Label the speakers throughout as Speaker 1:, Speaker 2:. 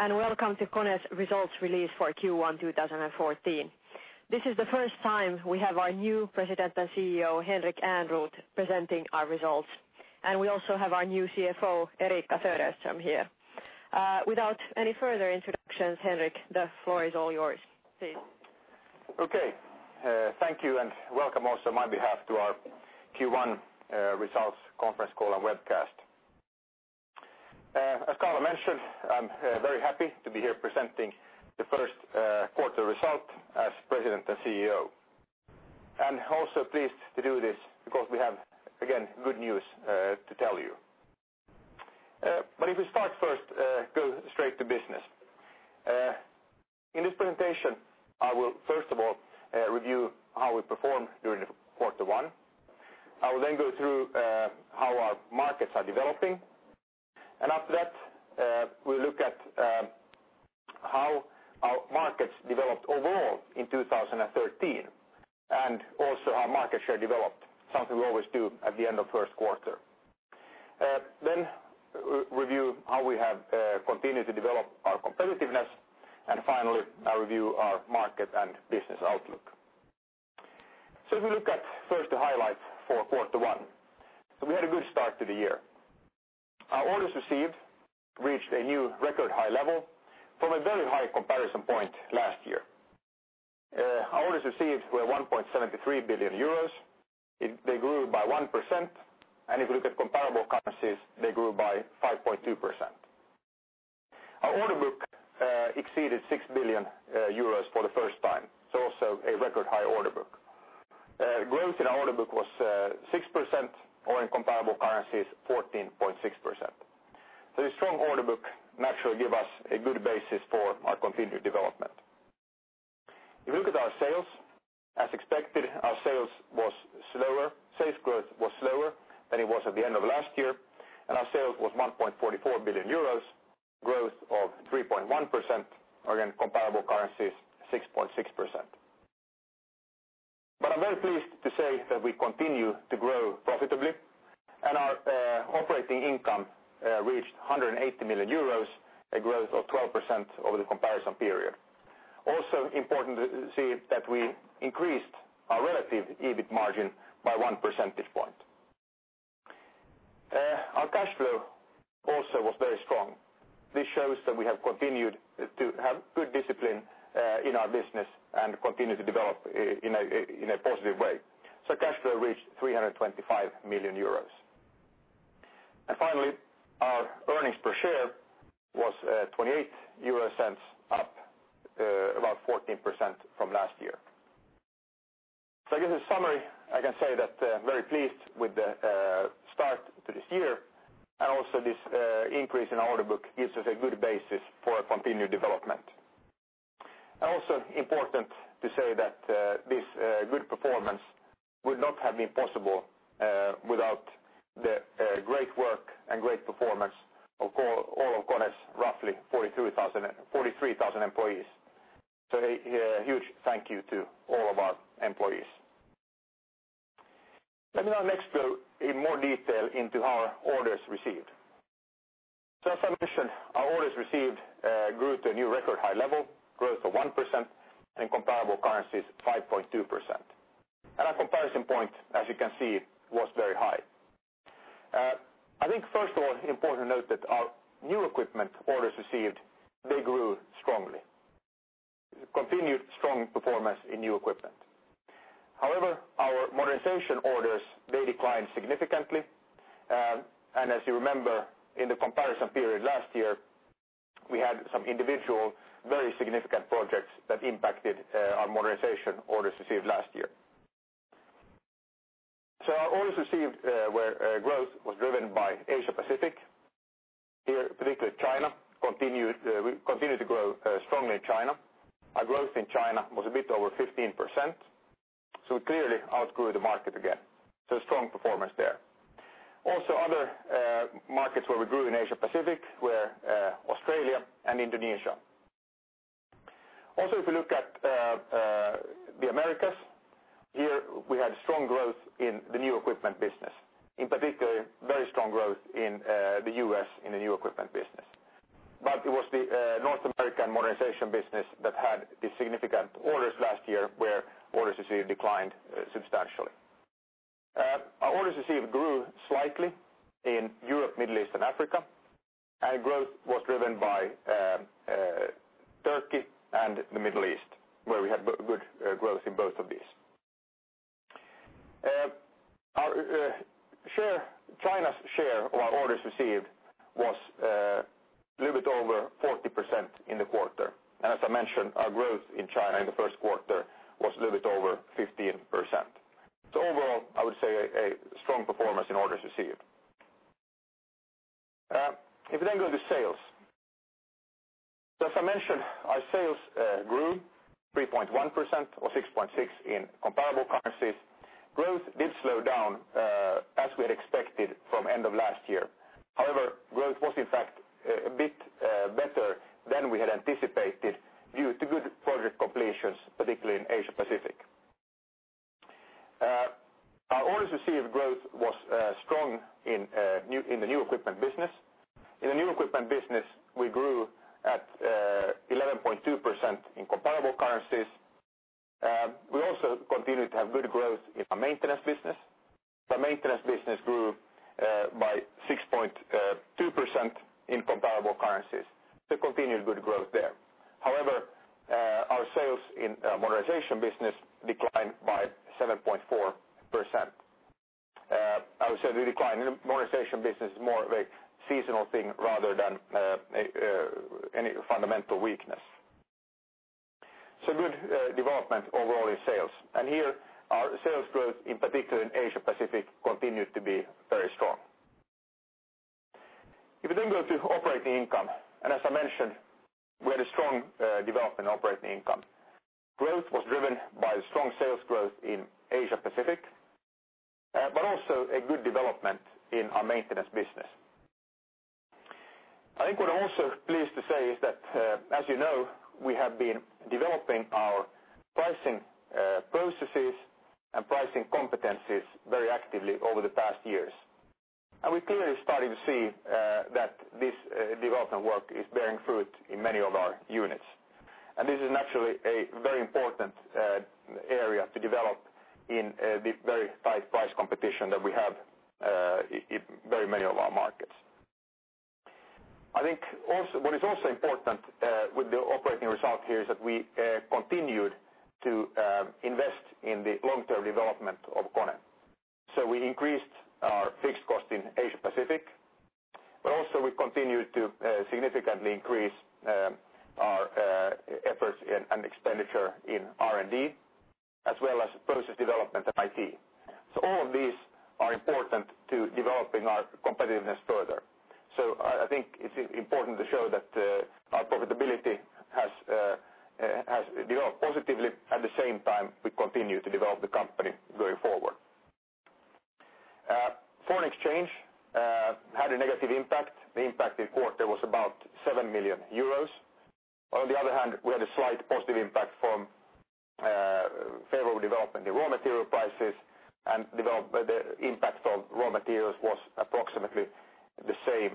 Speaker 1: Welcome to KONE's results release for Q1 2014. This is the first time we have our new President and CEO, Henrik Ehrnrooth, presenting our results. We also have our new CFO, Eriikka Söderström here. Without any further introductions, Henrik, the floor is all yours. Please.
Speaker 2: Thank you. Welcome also on my behalf to our Q1 results conference call and webcast. As Karla mentioned, I'm very happy to be here presenting the first quarter result as President and CEO. Also pleased to do this because we have, again, good news to tell you. If we start first, go straight to business. In this presentation, I will, first of all, review how we performed during the quarter one. I will then go through how our markets are developing. After that, we'll look at how our markets developed overall in 2013 and also how market share developed, something we always do at the end of first quarter. Then review how we have continued to develop our competitiveness. Finally, I'll review our market and business outlook. If we look at first the highlights for quarter one. We had a good start to the year. Our orders received reached a new record high level from a very high comparison point last year. Our orders received were 1.73 billion euros. They grew by 1%, and if you look at comparable currencies, they grew by 5.2%. Our order book exceeded 6 billion euros for the first time, so also a record high order book. Growth in our order book was 6% or in comparable currencies, 14.6%. The strong order book naturally give us a good basis for our continued development. If you look at our sales, as expected, our sales growth was slower than it was at the end of last year. Our sales was 1.44 billion euros, growth of 3.1%, again, comparable currencies, 6.6%. I'm very pleased to say that we continue to grow profitably, and our operating income reached 180 million euros, a growth of 12% over the comparison period. Also important to see that we increased our relative EBIT margin by one percentage point. Our cash flow also was very strong. This shows that we have continued to have good discipline in our business and continue to develop in a positive way. Cash flow reached 325 million euros. Finally, our earnings per share was $0.28, up about 14% from last year. I give the summary, I can say that I'm very pleased with the start to this year, and also this increase in our order book gives us a good basis for a continued development. Also important to say that this good performance would not have been possible without the great work and great performance of all of KONE's roughly 43,000 employees. A huge thank you to all of our employees. Let me now next go in more detail into our orders received. As I mentioned, our orders received grew to a new record high level, growth of 1%, and comparable currencies, 5.2%. Our comparison point, as you can see, was very high. First of all, important to note that our new equipment orders received, they grew strongly. Continued strong performance in new equipment. Our modernization orders, they declined significantly. As you remember, in the comparison period last year, we had some individual, very significant projects that impacted our modernization orders received last year. Our orders received growth was driven by Asia-Pacific, particularly China. We continued to grow strongly in China. Our growth in China was a bit over 15%. We clearly outgrew the market again. Strong performance there. Other markets where we grew in Asia-Pacific were Australia and Indonesia. If you look at the Americas, here, we had strong growth in the new equipment business, in particular, very strong growth in the U.S. in the new equipment business. It was the North American modernization business that had the significant orders last year where orders received declined substantially. Our orders received grew slightly in Europe, Middle East, and Africa, and growth was driven by Turkey and the Middle East, where we had good growth in both of these. China's share of our orders received was a little bit over 40% in the quarter. As I mentioned, our growth in China in the first quarter was a little bit over 15%. Overall, I would say a strong performance in orders received. If we then go to sales. As I mentioned, our sales grew 3.1% or 6.6% in comparable currencies. Growth did slow down, as we had expected from end of last year. Growth was in fact a bit better than we had anticipated due to good project completions, particularly in Asia-Pacific. As you see, growth was strong in the new equipment business. In the new equipment business, we grew at 11.2% in comparable currencies. We also continued to have good growth in our maintenance business. The maintenance business grew by 6.2% in comparable currencies. Continued good growth there. Our sales in modernization business declined by 7.4%. I would say the decline in the modernization business is more of a seasonal thing rather than any fundamental weakness. Good development overall in sales, and here our sales growth, in particular in Asia-Pacific, continued to be very strong. If we then go to operating income. As I mentioned, we had a strong development operating income. Growth was driven by strong sales growth in Asia-Pacific, also a good development in our maintenance business. What I'm also pleased to say is that, as you know, we have been developing our pricing processes and pricing competencies very actively over the past years. We're clearly starting to see that this development work is bearing fruit in many of our units. This is naturally a very important area to develop in the very tight price competition that we have in very many of our markets. I think what is also important with the operating result here is that we continued to invest in the long-term development of KONE. We increased our fixed cost in Asia Pacific, but also we continued to significantly increase our efforts and expenditure in R&D, as well as process development and IT. All of these are important to developing our competitiveness further. I think it's important to show that our profitability has developed positively. At the same time, we continue to develop the company going forward. Foreign exchange had a negative impact. The impact in quarter was about 7 million euros. On the other hand, we had a slight positive impact from favorable development in raw material prices and the impact of raw materials was approximately the same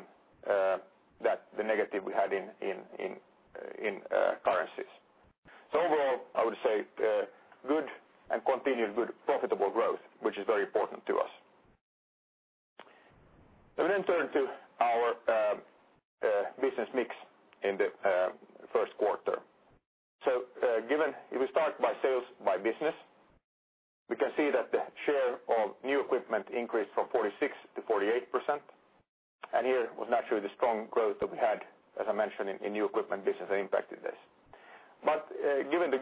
Speaker 2: that the negative we had in currencies. Overall, I would say good and continued good profitable growth, which is very important to us. We turn to our business mix in the first quarter. If we start by sales by business, we can see that the share of new equipment increased from 46% to 48%. Here was naturally the strong growth that we had, as I mentioned, in new equipment business that impacted this. Given the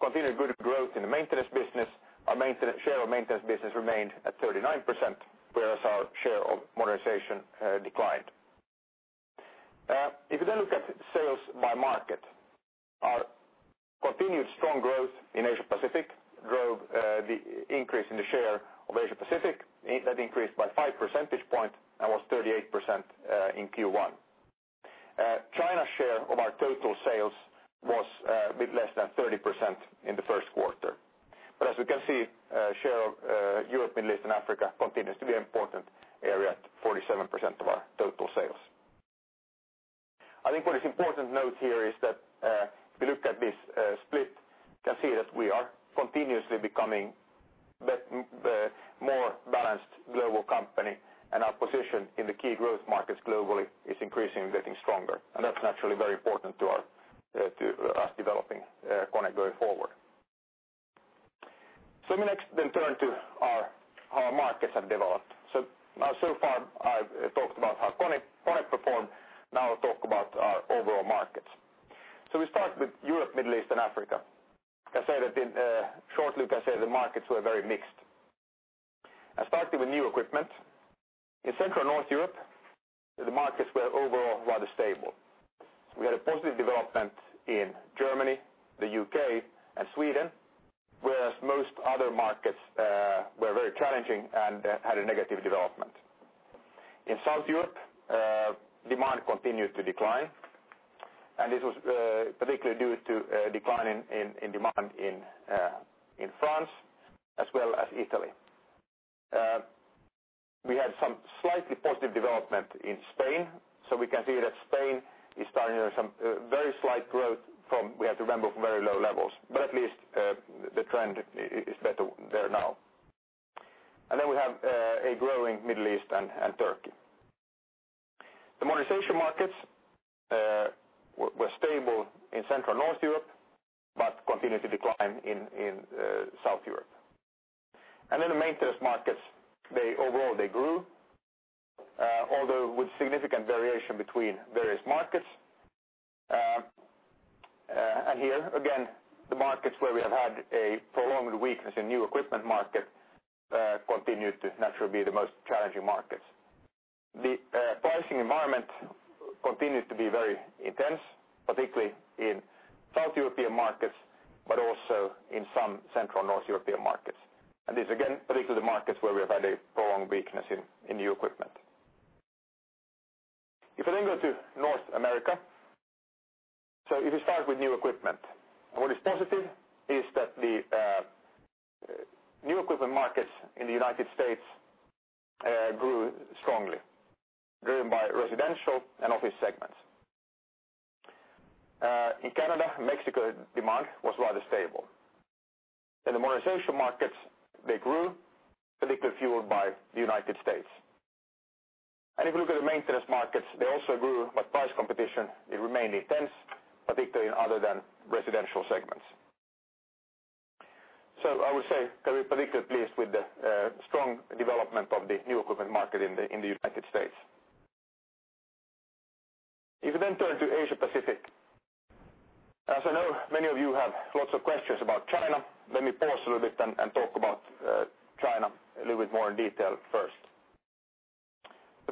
Speaker 2: continued good growth in the maintenance business, our share of maintenance business remained at 39%, whereas our share of modernization declined. If you look at sales by market, our continued strong growth in Asia Pacific drove the increase in the share of Asia Pacific. That increased by five percentage points and was 38% in Q1. China's share of our total sales was a bit less than 30% in the first quarter. As we can see, share of Europe, Middle East, and Africa continues to be an important area at 47% of our total sales. I think what is important note here is that if you look at this split, you can see that we are continuously becoming more balanced global company and our position in the key growth markets globally is increasing and getting stronger. That's naturally very important to us developing KONE going forward. Next turn to how our markets have developed. So far I've talked about how KONE performed. Now I'll talk about our overall markets. We start with Europe, Middle East, and Africa. Shortly, I can say the markets were very mixed, and starting with new equipment. In Central North Europe, the markets were overall rather stable. We had a positive development in Germany, the U.K., and Sweden, whereas most other markets were very challenging and had a negative development. In South Europe, demand continued to decline, and this was particularly due to decline in demand in France as well as Italy. We had some slightly positive development in Spain, so we can see that Spain is starting some very slight growth from, we have to remember, from very low levels, but at least the trend is better there now. We have a growing Middle East and Turkey. The modernization markets were stable in Central North Europe, but continued to decline in South Europe. The maintenance markets, overall they grew, although with significant variation between various markets. Here again, the markets where we have had a prolonged weakness in new equipment market continued to naturally be the most challenging markets. The pricing environment continues to be very intense, particularly in South European markets, but also in some Central North European markets. This again, particularly the markets where we have had a prolonged weakness in new equipment. If we then go to North America. If you start with new equipment, what is positive is that the new equipment markets in the United States grew strongly, driven by residential and office segments. In Canada, Mexico, demand was rather stable. In the modernization markets, they grew, particularly fueled by the United States. If you look at the maintenance markets, they also grew, but price competition, it remained intense, particularly in other than residential segments. I would say very particularly pleased with the strong development of the new equipment market in the United States. If you then turn to Asia Pacific. As I know, many of you have lots of questions about China. Let me pause a little bit and talk about China a little bit more in detail first.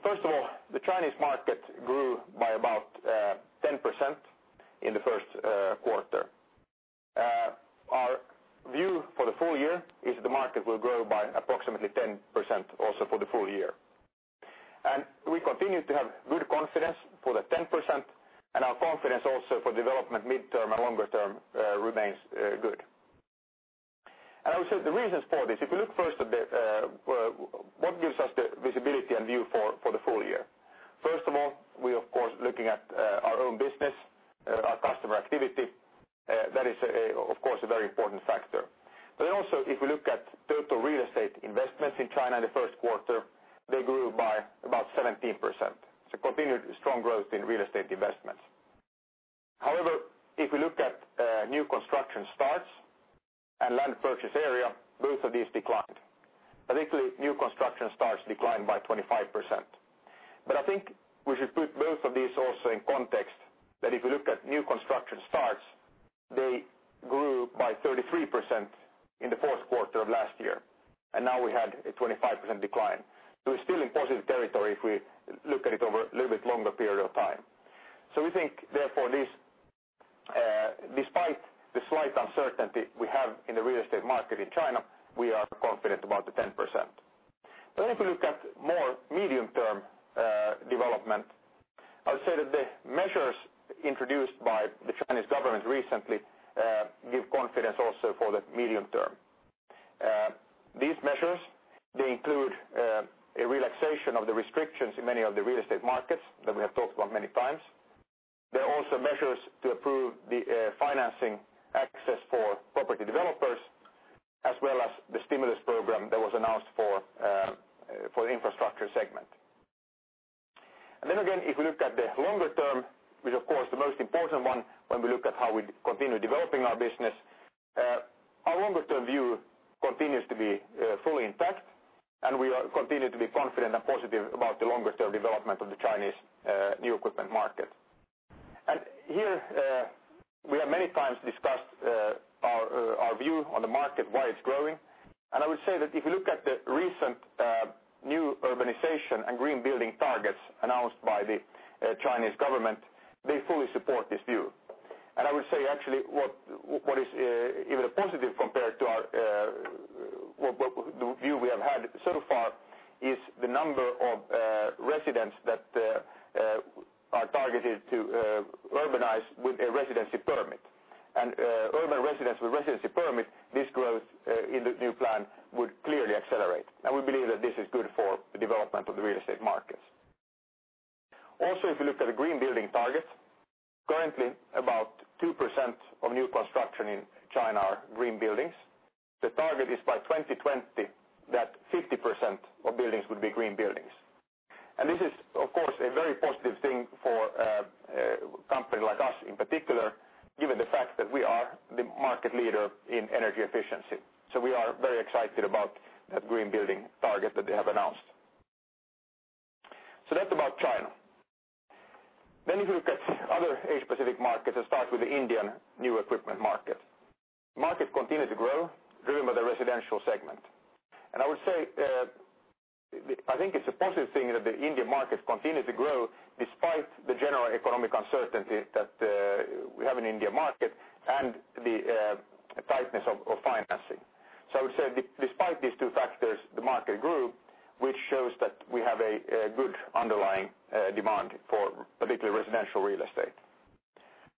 Speaker 2: First of all, the Chinese market grew by about 10% in the first quarter. Our view for the full year is the market will grow by approximately 10% also for the full year. We continue to have good confidence for the 10%, and our confidence also for development midterm and longer term remains good. I would say the reasons for this, if you look first a bit, what gives us the visibility and view for the full year. First of all, we're of course looking at our own business, our customer activity. That is, of course, a very important factor. Also if we look at total real estate investments in China in the first quarter, they grew by about 17%. Continued strong growth in real estate investments. However, if we look at new construction starts and land purchase area, both of these declined. Particularly new construction starts declined by 25%. I think we should put both of these also in context, that if you look at new construction starts, they grew by 33% in the fourth quarter of last year, and now we had a 25% decline. We're still in positive territory if we look at it over a little bit longer period of time. We think, therefore, despite the slight uncertainty we have in the real estate market in China, we are confident about the 10%. If you look at more medium-term development, I would say that the measures introduced by the Chinese government recently give confidence also for the medium term. These measures, they include a relaxation of the restrictions in many of the real estate markets that we have talked about many times. There are also measures to approve the financing access for property developers, as well as the stimulus program that was announced for infrastructure segment. Again, if we look at the longer term, which of course the most important one when we look at how we continue developing our business. Our longer term view continues to be fully intact, and we continue to be confident and positive about the longer term development of the Chinese new equipment market. Here we have many times discussed our view on the market, why it's growing. I would say that if you look at the recent new urbanization and green building targets announced by the Chinese government, they fully support this view. I would say actually what is even a positive compared to the view we have had so far is the number of residents that are targeted to urbanize with a residency permit. Urban residents with residency permit, this growth in the new plan would clearly accelerate. We believe that this is good for the development of the real estate markets. Also, if you look at the green building targets, currently about 2% of new construction in China are green buildings. The target is by 2020, that 50% of buildings would be green buildings. This is, of course, a very positive thing for a company like us, in particular, given the fact that we are the market leader in energy efficiency. We are very excited about that green building target that they have announced. That's about China. If you look at other Asia Pacific markets and start with the Indian new equipment market. Market continue to grow driven by the residential segment. I would say, I think it's a positive thing that the Indian market continue to grow despite the general economic uncertainty that we have in Indian market and the tightness of financing. I would say despite these two factors, the market grew, which shows that we have a good underlying demand for particularly residential real estate.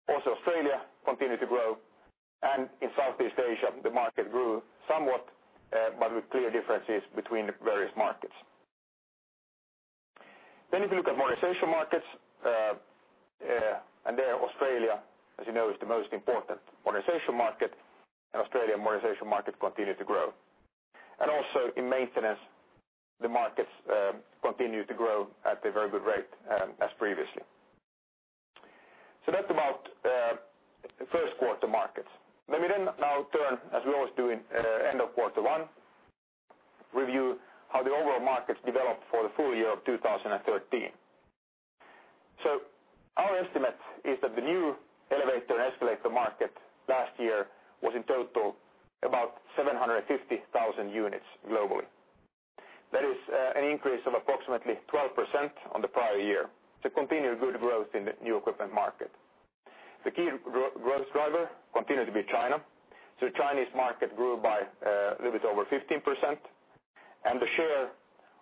Speaker 2: Also Australia continued to grow, and in Southeast Asia, the market grew somewhat but with clear differences between the various markets. If you look at modernization markets, and there Australia, as you know, is the most important modernization market, and Australia modernization market continued to grow. Also in maintenance, the markets continued to grow at a very good rate as previously. That's about first quarter markets. Let me then now turn, as we always do in end of quarter one, review how the overall markets developed for the full year of 2013. Our estimate is that the new elevator and escalator market last year was in total about 750,000 units globally. That is an increase of approximately 12% on the prior year. Continued good growth in the new equipment market. The key growth driver continued to be China. Chinese market grew by a little bit over 15%, and the share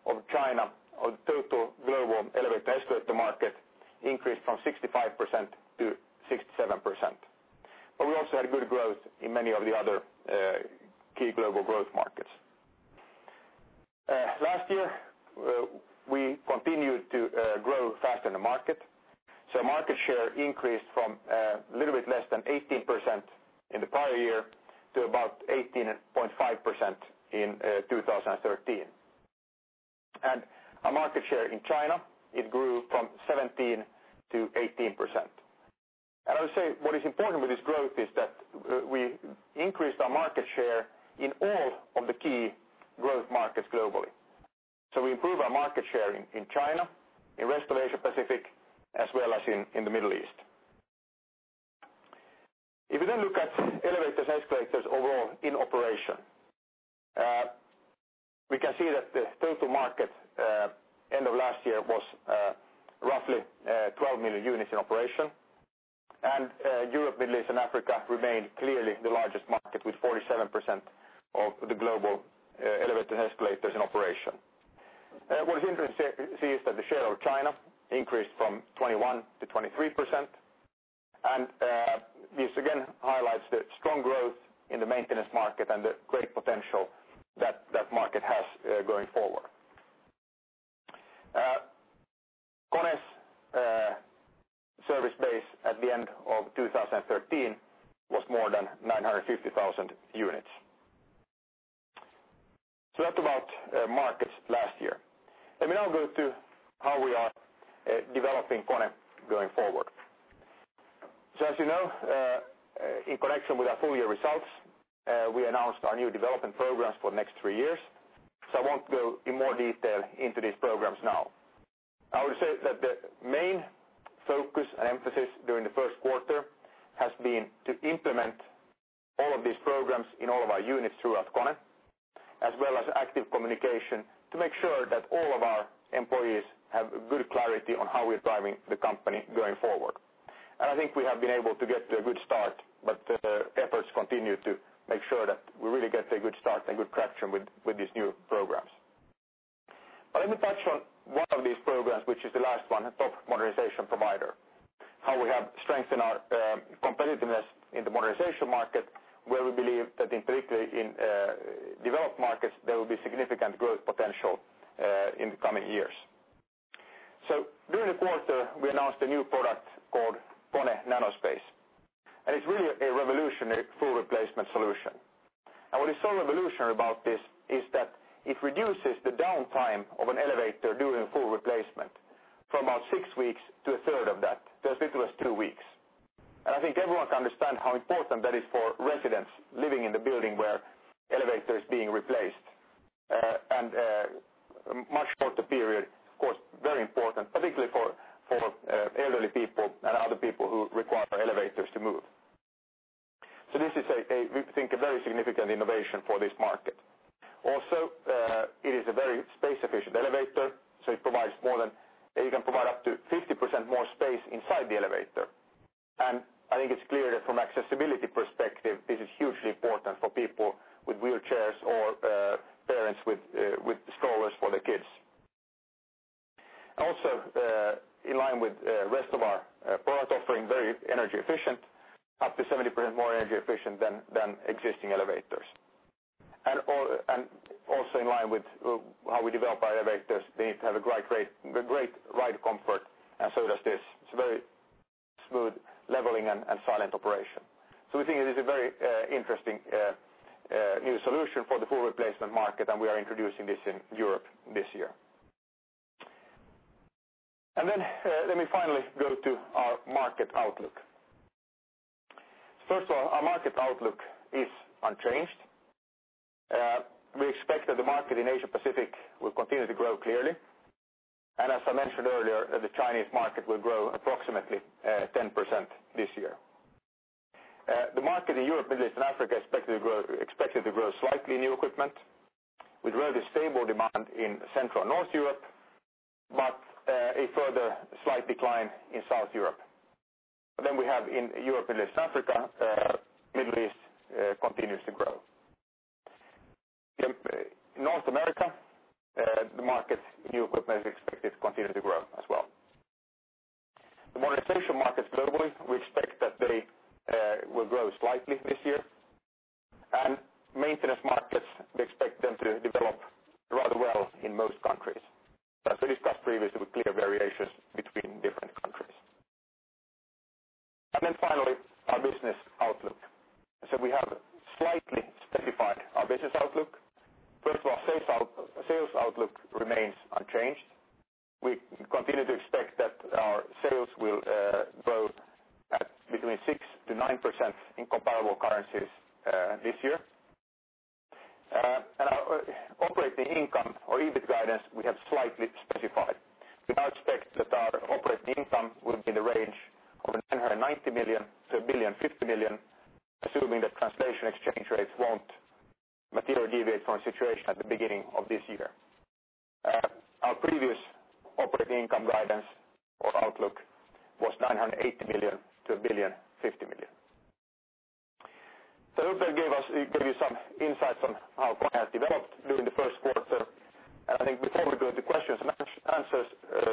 Speaker 2: of China of total global elevator/escalator market increased from 65% to 67%. We also had good growth in many of the other key global growth markets. Last year, we continued to grow faster than the market. Market share increased from a little bit less than 18% in the prior year to about 18.5% in 2013. Our market share in China, it grew from 17% to 18%. I would say what is important with this growth is that we increased our market share in all of the key growth markets globally. We improved our market share in China, in rest of Asia Pacific, as well as in the Middle East. If you then look at elevators and escalators overall in operation, we can see that the total market end of last year was roughly 12 million units in operation, and Europe, Middle East, and Africa remained clearly the largest market with 47% of the global elevator and escalators in operation. What is interesting to see is that the share of China increased from 21% to 23%, and this again highlights the strong growth in the maintenance market and the great potential that that market has going forward. KONE's service base at the end of 2013 was more than 950,000 units. That's about markets last year. Let me now go to how we are developing KONE going forward. As you know, in connection with our full year results, we announced our new development programs for the next three years. I won't go in more detail into these programs now. I would say that the main focus and emphasis during the first quarter has been to implement all of these programs in all of our units throughout KONE as well as active communication to make sure that all of our employees have good clarity on how we're driving the company going forward. I think we have been able to get to a good start, but efforts continue to make sure that we really get a good start and good traction with these new programs. Let me touch on one of these programs, which is the last one, top modernization provider. How we have strengthened our competitiveness in the modernization market where we believe that in particularly in developed markets, there will be significant growth potential in the coming years. During the quarter, we announced a new product called KONE NanoSpace. It's really a revolutionary full replacement solution. What is so revolutionary about this is that it reduces the downtime of an elevator during full replacement from about six weeks to a third of that, to as little as two weeks. I think everyone can understand how important that is for residents living in the building where elevator is being replaced. Much shorter period, of course, very important, particularly for elderly people and other people who require elevators to move. This is we think a very significant innovation for this market. Also, it is a very space efficient elevator, so it can provide up to 50% more space inside the elevator. I think it's clear that from accessibility perspective, this is hugely important for people with wheelchairs or parents with strollers for their kids. Also, in line with rest of our product offering, very energy efficient, up to 70% more energy efficient than existing elevators. Also, in line with how we develop our elevators, they need to have a great ride comfort and so does this. It's very smooth leveling and silent operation. We think it is a very interesting new solution for the full replacement market, and we are introducing this in Europe this year. Then let me finally go to our market outlook. First of all, our market outlook is unchanged. We expect that the market in Asia Pacific will continue to grow clearly. As I mentioned earlier, the Chinese market will grow approximately 10% this year. The market in Europe, Middle East, and Africa expected to grow slightly in new equipment with relatively stable demand in Central and North Europe, but a further slight decline in South Europe. We have in Europe, Middle East, Africa, Middle East continues to grow. In North America, the market new equipment is expected to continue to grow as well. The modernization markets globally, we expect that they will grow slightly this year. Maintenance markets, we expect them to develop rather well in most countries. As we discussed previously, with clear variations between different countries. Finally, our business outlook. We have slightly specified our business outlook. First of all, sales outlook remains unchanged. We continue to expect that our sales will grow at between 6%-9% in comparable currencies this year. Our operating income or EBIT guidance, we have slightly specified. We now expect that our operating income will be in the range of 990 million-1,050 million, assuming that translation exchange rates won't materially deviate from the situation at the beginning of this year. Our previous operating income guidance or outlook was 980 million-1,050 million. Henrik Ehrnrooth gave you some insights on how KONE has developed during the first quarter. I think before we go to questions and answers, a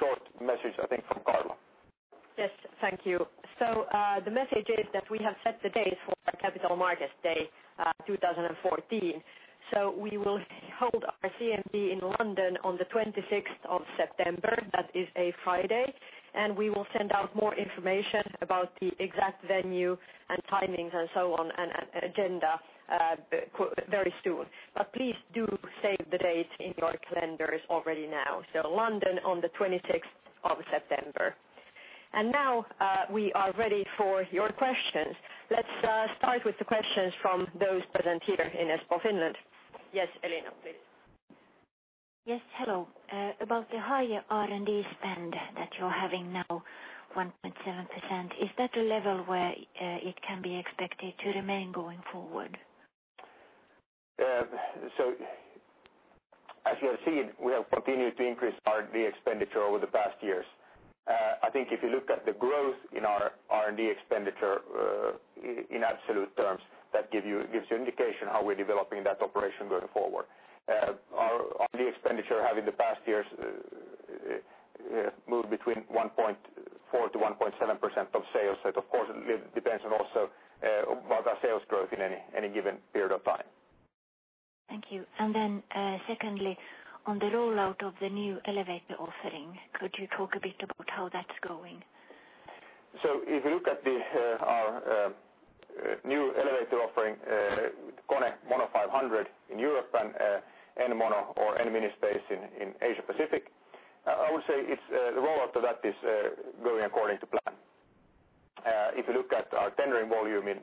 Speaker 2: short message, I think, from Karla Lindahl.
Speaker 1: Yes. Thank you. The message is that we have set the date for our Capital Markets Day 2014. We will hold our CMD in London on the 26th of September. That is a Friday, and we will send out more information about the exact venue and timings and so on, and agenda very soon. Please do save the date in your calendars already now. London on the 26th of September. Now, we are ready for your questions. Let's start with the questions from those present here in Espoo, Finland. Yes, Elena, please.
Speaker 3: Yes. Hello. About the higher R&D spend that you're having now, 1.7%, is that a level where it can be expected to remain going forward?
Speaker 2: As you have seen, we have continued to increase R&D expenditure over the past years. I think if you look at the growth in our R&D expenditure in absolute terms, that gives you indication how we're developing that operation going forward. Our R&D expenditure have in the past years moved between 1.4%-1.7% of sales. That, of course, depends on also about our sales growth in any given period of time.
Speaker 3: Thank you. Secondly, on the rollout of the new elevator offering, could you talk a bit about how that's going?
Speaker 2: If you look at our new elevator offering, KONE Mono 500 in Europe and N Mono or N MiniSpace in Asia Pacific, I would say the rollout of that is going according to plan. If you look at our tendering volume in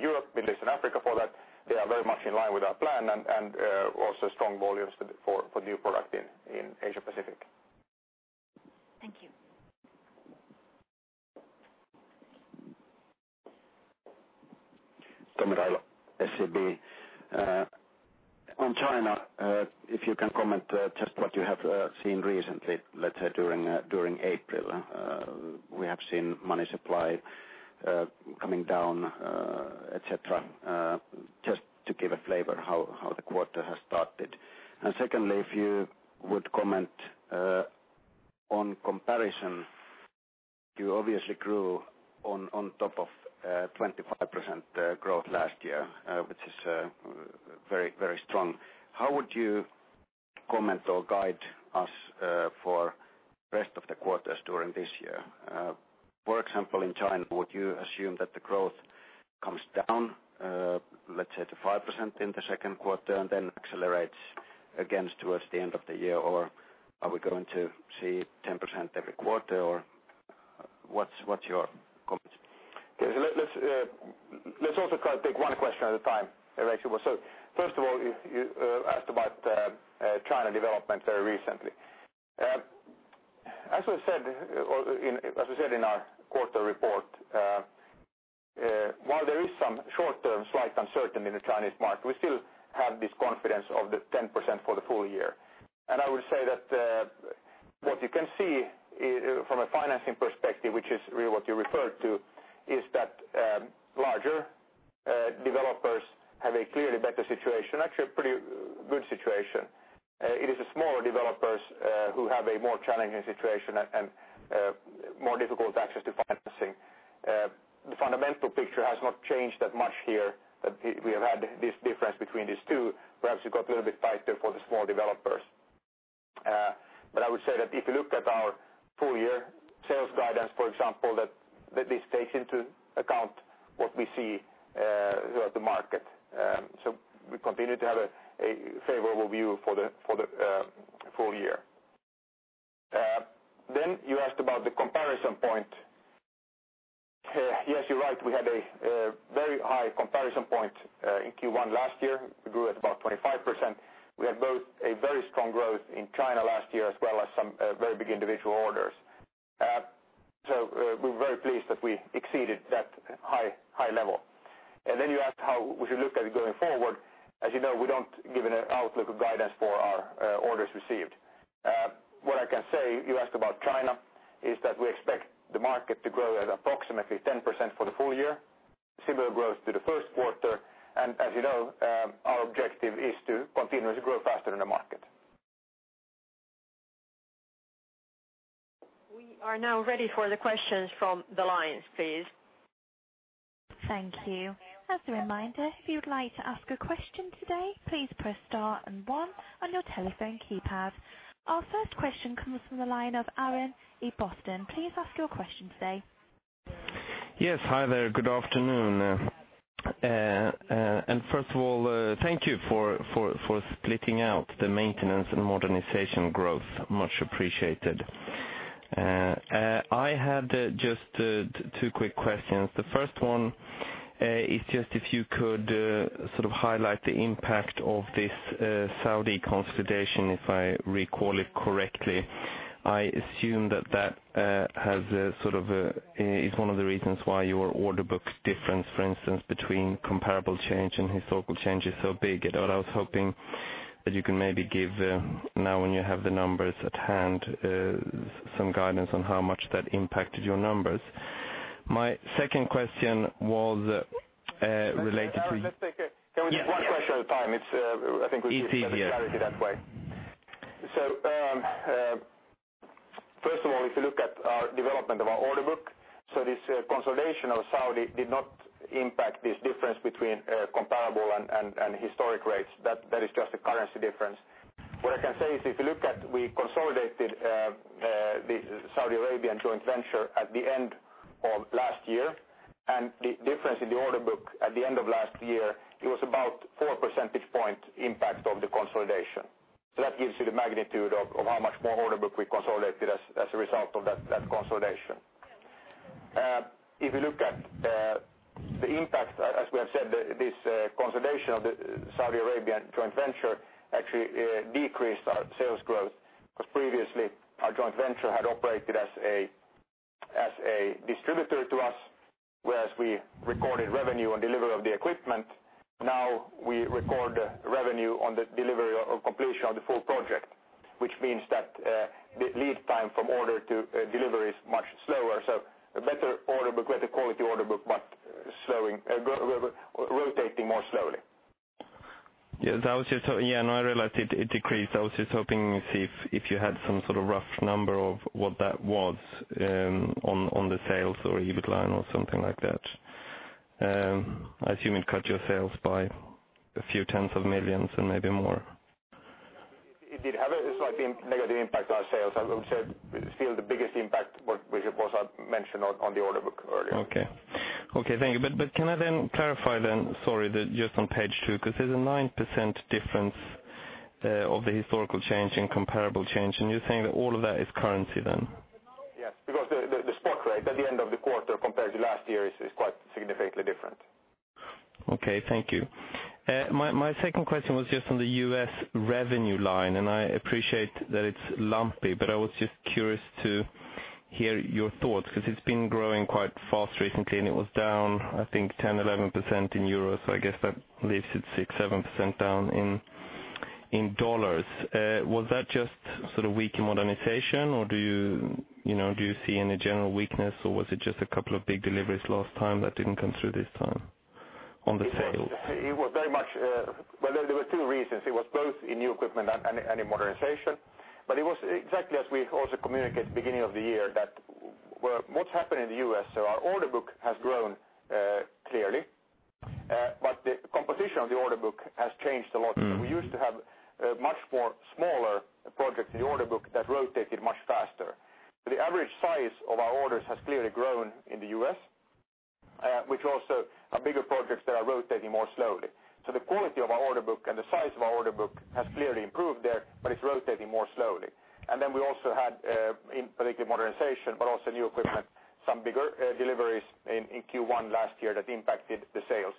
Speaker 2: Europe, Middle East, and Africa for that, they are very much in line with our plan and also strong volumes for new product in Asia Pacific.
Speaker 3: Thank you.
Speaker 4: Tomi Railo, SEB. On China, if you can comment just what you have seen recently, let's say during April. We have seen money supply coming down, et cetera, just to give a flavor how the quarter has started. Secondly, if you would comment on comparison, you obviously grew on top of 25% growth last year, which is very strong. How would you comment or guide us for rest of the quarters during this year? For example, in China, would you assume that the growth comes down, let's say to 5% in the second quarter and then accelerates against towards the end of the year? Or are we going to see 10% every quarter, or what's your comments?
Speaker 2: Okay. Let's also try to take one question at a time, actually. First of all, you asked about China development very recently. As we said in our quarter report, while there is some short-term slight uncertainty in the Chinese market, we still have this confidence of the 10% for the full year. I would say that what you can see from a financing perspective, which is really what you referred to, is that larger developers have a clearly better situation, actually a pretty good situation. It is the smaller developers who have a more challenging situation and more difficult access to financing. The fundamental picture has not changed that much here, we have had this difference between these two. Perhaps it got a little bit tighter for the small developers. I would say that if you look at our full year sales guidance, for example, that this takes into account what we see throughout the market. We continue to have a favorable view for the full year. You asked about the comparison point. Yes, you're right. We had a very high comparison point in Q1 last year. We grew at about 25%. We had both a very strong growth in China last year as well as some very big individual orders. We're very pleased that we exceeded that high level. You asked how we should look at it going forward. As you know, we don't give an outlook or guidance for our orders received. What I can say, you asked about China, is that we expect the market to grow at approximately 10% for the full year, similar growth to the first quarter. As you know, our objective is to continuously grow faster in the market.
Speaker 1: We are now ready for the questions from the lines, please.
Speaker 5: Thank you. As a reminder, if you would like to ask a question today, please press star and one on your telephone keypad. Our first question comes from the line of Aaron in Boston. Please ask your question today.
Speaker 6: Yes. Hi there. Good afternoon. First of all, thank you for splitting out the maintenance and modernization growth. Much appreciated. I had just two quick questions. The first one is just if you could sort of highlight the impact of this Saudi consolidation, if I recall it correctly I assume that has one of the reasons why your order book difference, for instance, between comparable change and historical change is so big. I was hoping that you can maybe give, now when you have the numbers at hand, some guidance on how much that impacted your numbers. My second question was related to-
Speaker 2: Let's take one question at a time.
Speaker 6: Easy, yes.
Speaker 2: First of all, if you look at our development of our order book, this consolidation of Saudi did not impact this difference between comparable and historic rates. That is just a currency difference. What I can say is if you look at, we consolidated the Saudi Arabian joint venture at the end of last year, and the difference in the order book at the end of last year, it was about four percentage point impact of the consolidation. That gives you the magnitude of how much more order book we consolidated as a result of that consolidation. If you look at the impact, as we have said, this consolidation of the Saudi Arabian joint venture actually decreased our sales growth, because previously our joint venture had operated as a distributor to us, whereas we recorded revenue on delivery of the equipment. Now we record revenue on the delivery or completion of the full project, which means that the lead time from order to delivery is much slower. A better quality order book, but rotating more slowly.
Speaker 6: Yeah. No, I realized it decreased. I was just hoping to see if you had some sort of rough number of what that was on the sales or EBIT line or something like that. I assume it cut your sales by a few tens of millions and maybe more.
Speaker 2: It did have a slightly negative impact on sales. I would say still the biggest impact was I mentioned on the order book earlier.
Speaker 6: Okay. Thank you. Can I then clarify then, sorry, just on page two, because there's a 9% difference of the historical change and comparable change, and you're saying that all of that is currency then?
Speaker 2: Yes, because the spot rate at the end of the quarter compared to last year is quite significantly different.
Speaker 6: Okay, thank you. My second question was just on the U.S. revenue line, and I appreciate that it's lumpy, I was just curious to hear your thoughts because it's been growing quite fast recently and it was down, I think, 10%-11% in EUR. I guess that leaves it six to seven percent down in USD. Was that just sort of weak modernization or do you see any general weakness or was it just a couple of big deliveries last time that didn't come through this time on the sales?
Speaker 2: There were two reasons. It was both in new equipment and in modernization. It was exactly as we also communicated at the beginning of the year, that what's happening in the U.S., so our order book has grown clearly, but the composition of the order book has changed a lot. We used to have much more smaller projects in the order book that rotated much faster. The average size of our orders has clearly grown in the U.S., which also are bigger projects that are rotating more slowly. The quality of our order book and the size of our order book has clearly improved there, but it's rotating more slowly. We also had in predictive modernization, but also new equipment, some bigger deliveries in Q1 last year that impacted the sales.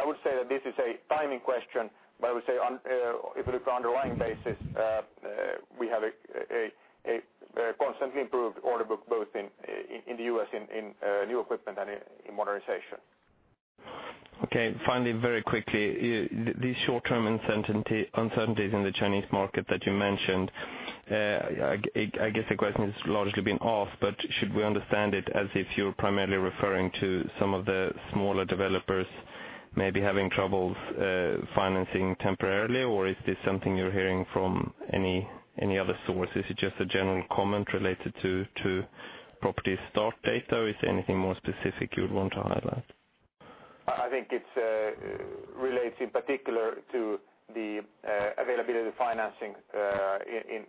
Speaker 2: I would say that this is a timing question, but I would say if you look on an underlying basis, we have a constantly improved order book, both in the U.S. in new equipment and in modernization.
Speaker 6: Okay. Finally, very quickly, these short-term uncertainties in the Chinese market that you mentioned, I guess the question has largely been asked, but should we understand it as if you're primarily referring to some of the smaller developers maybe having troubles financing temporarily? Is this something you're hearing from any other source? Is it just a general comment related to property start date, or is there anything more specific you'd want to highlight?
Speaker 2: I think it relates in particular to the availability of financing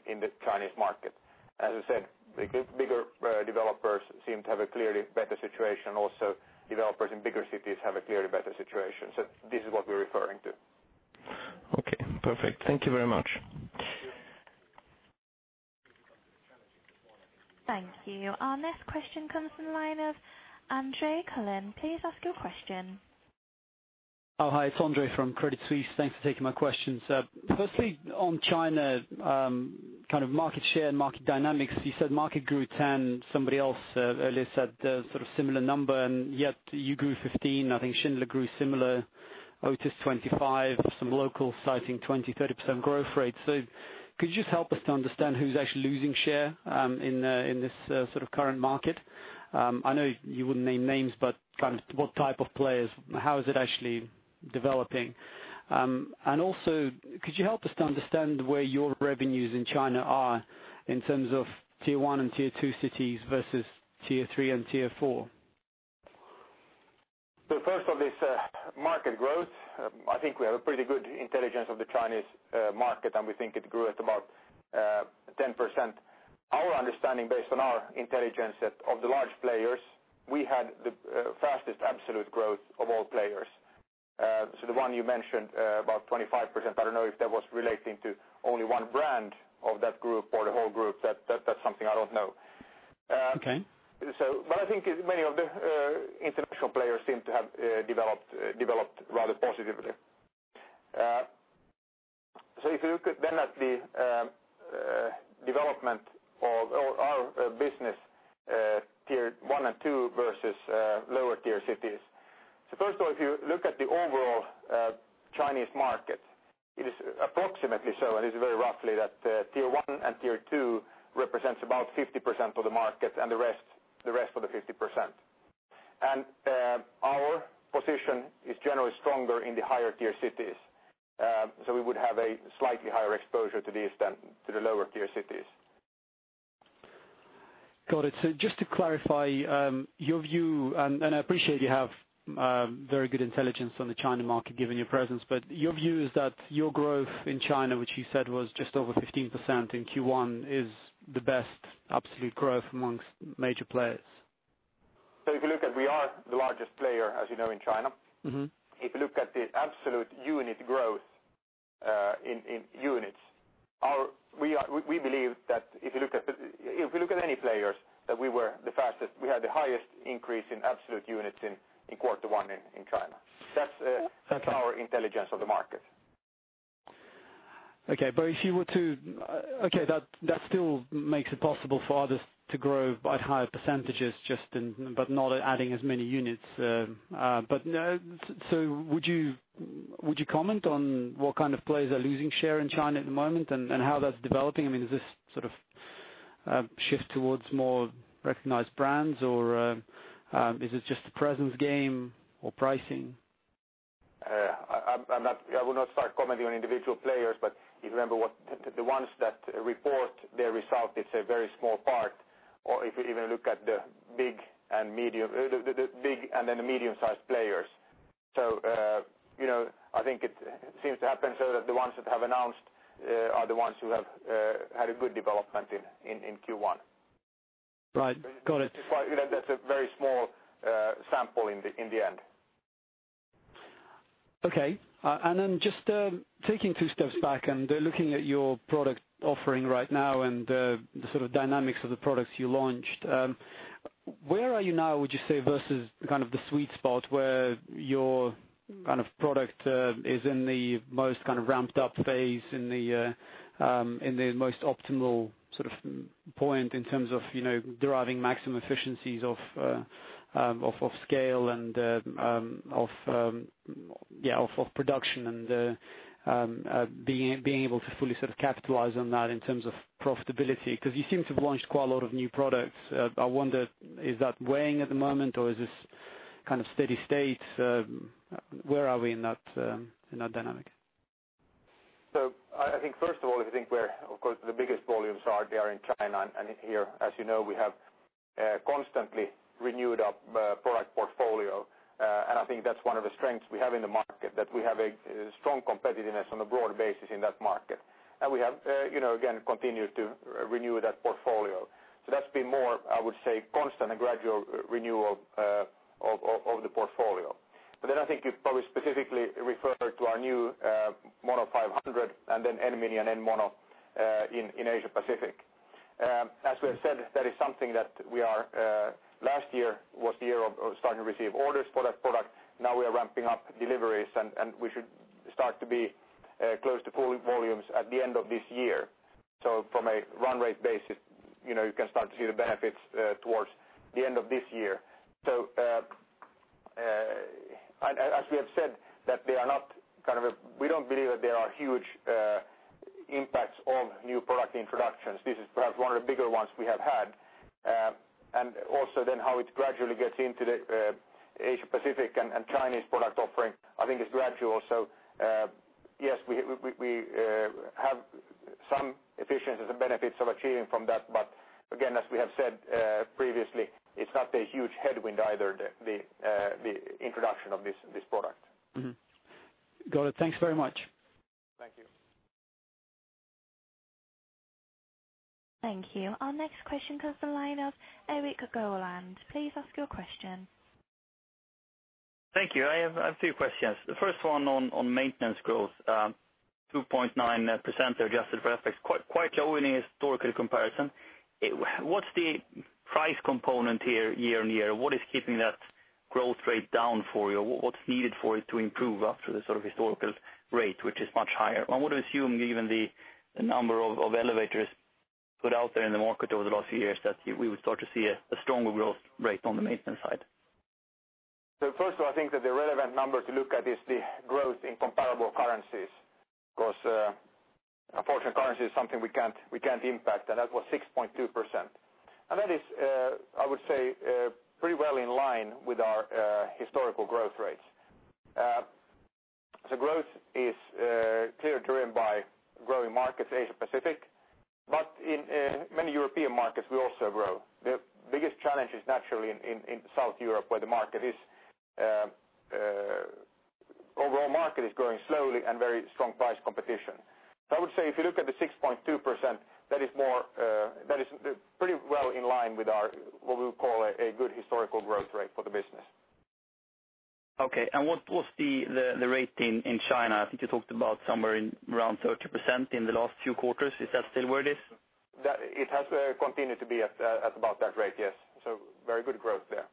Speaker 2: in the Chinese market. As I said, the bigger developers seem to have a clearly better situation. Also, developers in bigger cities have a clearly better situation. This is what we're referring to.
Speaker 6: Okay, perfect. Thank you very much.
Speaker 5: Thank you. Our next question comes from the line of Andre Collin. Please ask your question.
Speaker 7: Oh, hi, it's Andre from Credit Suisse. Thanks for taking my questions. Firstly, on China, kind of market share and market dynamics, you said market grew 10%. Somebody else earlier said a sort of similar number, and yet you grew 15%. I think Schindler grew similar, Otis 25%, some local citing 20%-30% growth rate. Could you just help us to understand who's actually losing share in this sort of current market? I know you wouldn't name names, but kind of what type of players, how is it actually developing? And also, could you help us to understand where your revenues in China are in terms of tier 1 and tier 2 cities versus tier 3 and tier 4?
Speaker 2: First on this market growth, I think we have a pretty good intelligence of the Chinese market, and we think it grew at about 10%. Our understanding based on our intelligence, that of the large players, we had the fastest absolute growth of all players. The one you mentioned, about 25%, I don't know if that was relating to only one brand of that group or the whole group. That's something I don't know.
Speaker 7: Okay
Speaker 2: I think many of the international players seem to have developed rather positively. If you look then at the development of our business, tier 1 and 2 versus lower tier cities. First of all, if you look at the overall Chinese market, it is approximately so, and this is very roughly, that tier 1 and tier 2 represents about 50% of the market and the rest for the 50%. Our position is generally stronger in the higher tier cities. We would have a slightly higher exposure to these than to the lower tier cities.
Speaker 7: Got it. Just to clarify your view, and I appreciate you have very good intelligence on the China market given your presence, but your view is that your growth in China, which you said was just over 15% in Q1, is the best absolute growth amongst major players.
Speaker 2: If you look at we are the largest player, as you know, in China. If you look at the absolute unit growth in units, we believe that if you look at any players, that we were the fastest, we had the highest increase in absolute units in quarter one in China.
Speaker 7: Okay
Speaker 2: our intelligence of the market.
Speaker 7: That still makes it possible for others to grow by higher percentages but not adding as many units. Would you comment on what kind of players are losing share in China at the moment and how that's developing? I mean, is this sort of shift towards more recognized brands or is it just a presence game or pricing?
Speaker 2: I will not start commenting on individual players, if you remember the ones that report their results, it's a very small part or if you even look at the big and then the medium-sized players. I think it seems to happen so that the ones that have announced are the ones who have had a good development in Q1.
Speaker 7: Right. Got it.
Speaker 2: That's a very small sample in the end.
Speaker 7: Okay. Just taking two steps back and looking at your product offering right now and the sort of dynamics of the products you launched. Where are you now, would you say, versus kind of the sweet spot where your kind of product is in the most kind of ramped up phase in the most optimal sort of point in terms of deriving maximum efficiencies of scale and of production and being able to fully sort of capitalize on that in terms of profitability. You seem to have launched quite a lot of new products. I wonder, is that weighing at the moment or is this kind of steady state? Where are we in that dynamic?
Speaker 2: I think first of all, if you think where, of course, the biggest volumes are, they are in China. Here, as you know, we have constantly renewed our product portfolio. I think that's one of the strengths we have in the market, that we have a strong competitiveness on a broad basis in that market. We have again, continued to renew that portfolio. That's been more, I would say, constant and gradual renewal of the portfolio. I think you probably specifically refer to our new MonoSpace 500 and N MiniSpace and N MonoSpace in Asia Pacific. As we have said, that is something that last year was the year of starting to receive orders for that product. Now we are ramping up deliveries and we should start to be close to full volumes at the end of this year. From a run rate basis you can start to see the benefits towards the end of this year. As we have said, we don't believe that there are huge impacts on new product introductions. This is perhaps one of the bigger ones we have had. How it gradually gets into the Asia Pacific and Chinese product offering, I think is gradual. Yes, we have some efficiencies and benefits of achieving from that. As we have said previously, it's not a huge headwind either, the introduction of this product.
Speaker 7: Got it. Thanks very much.
Speaker 2: Thank you.
Speaker 5: Thank you. Our next question comes the line of Eric Gowland. Please ask your question.
Speaker 8: Thank you. I have two questions. The first one on maintenance growth, 2.9% adjusted for FX, quite low in a historical comparison. What's the price component here year-over-year? What is keeping that growth rate down for you? What's needed for it to improve up to the sort of historical rate, which is much higher? I would assume even the number of elevators put out there in the market over the last few years, that we would start to see a stronger growth rate on the maintenance side.
Speaker 2: First of all, I think that the relevant number to look at is the growth in comparable currencies. Unfortunately, currency is something we can't impact, and that was 6.2%. That is, I would say, pretty well in line with our historical growth rates. Growth is clearly driven by growing markets Asia Pacific, but in many European markets, we also grow. The biggest challenge is naturally in South Europe, where the overall market is growing slowly and very strong price competition. I would say if you look at the 6.2%, that is pretty well in line with what we would call a good historical growth rate for the business.
Speaker 8: Okay. What was the rate in China? I think you talked about somewhere around 30% in the last few quarters. Is that still where it is?
Speaker 2: It has continued to be at about that rate, yes. Very good growth there.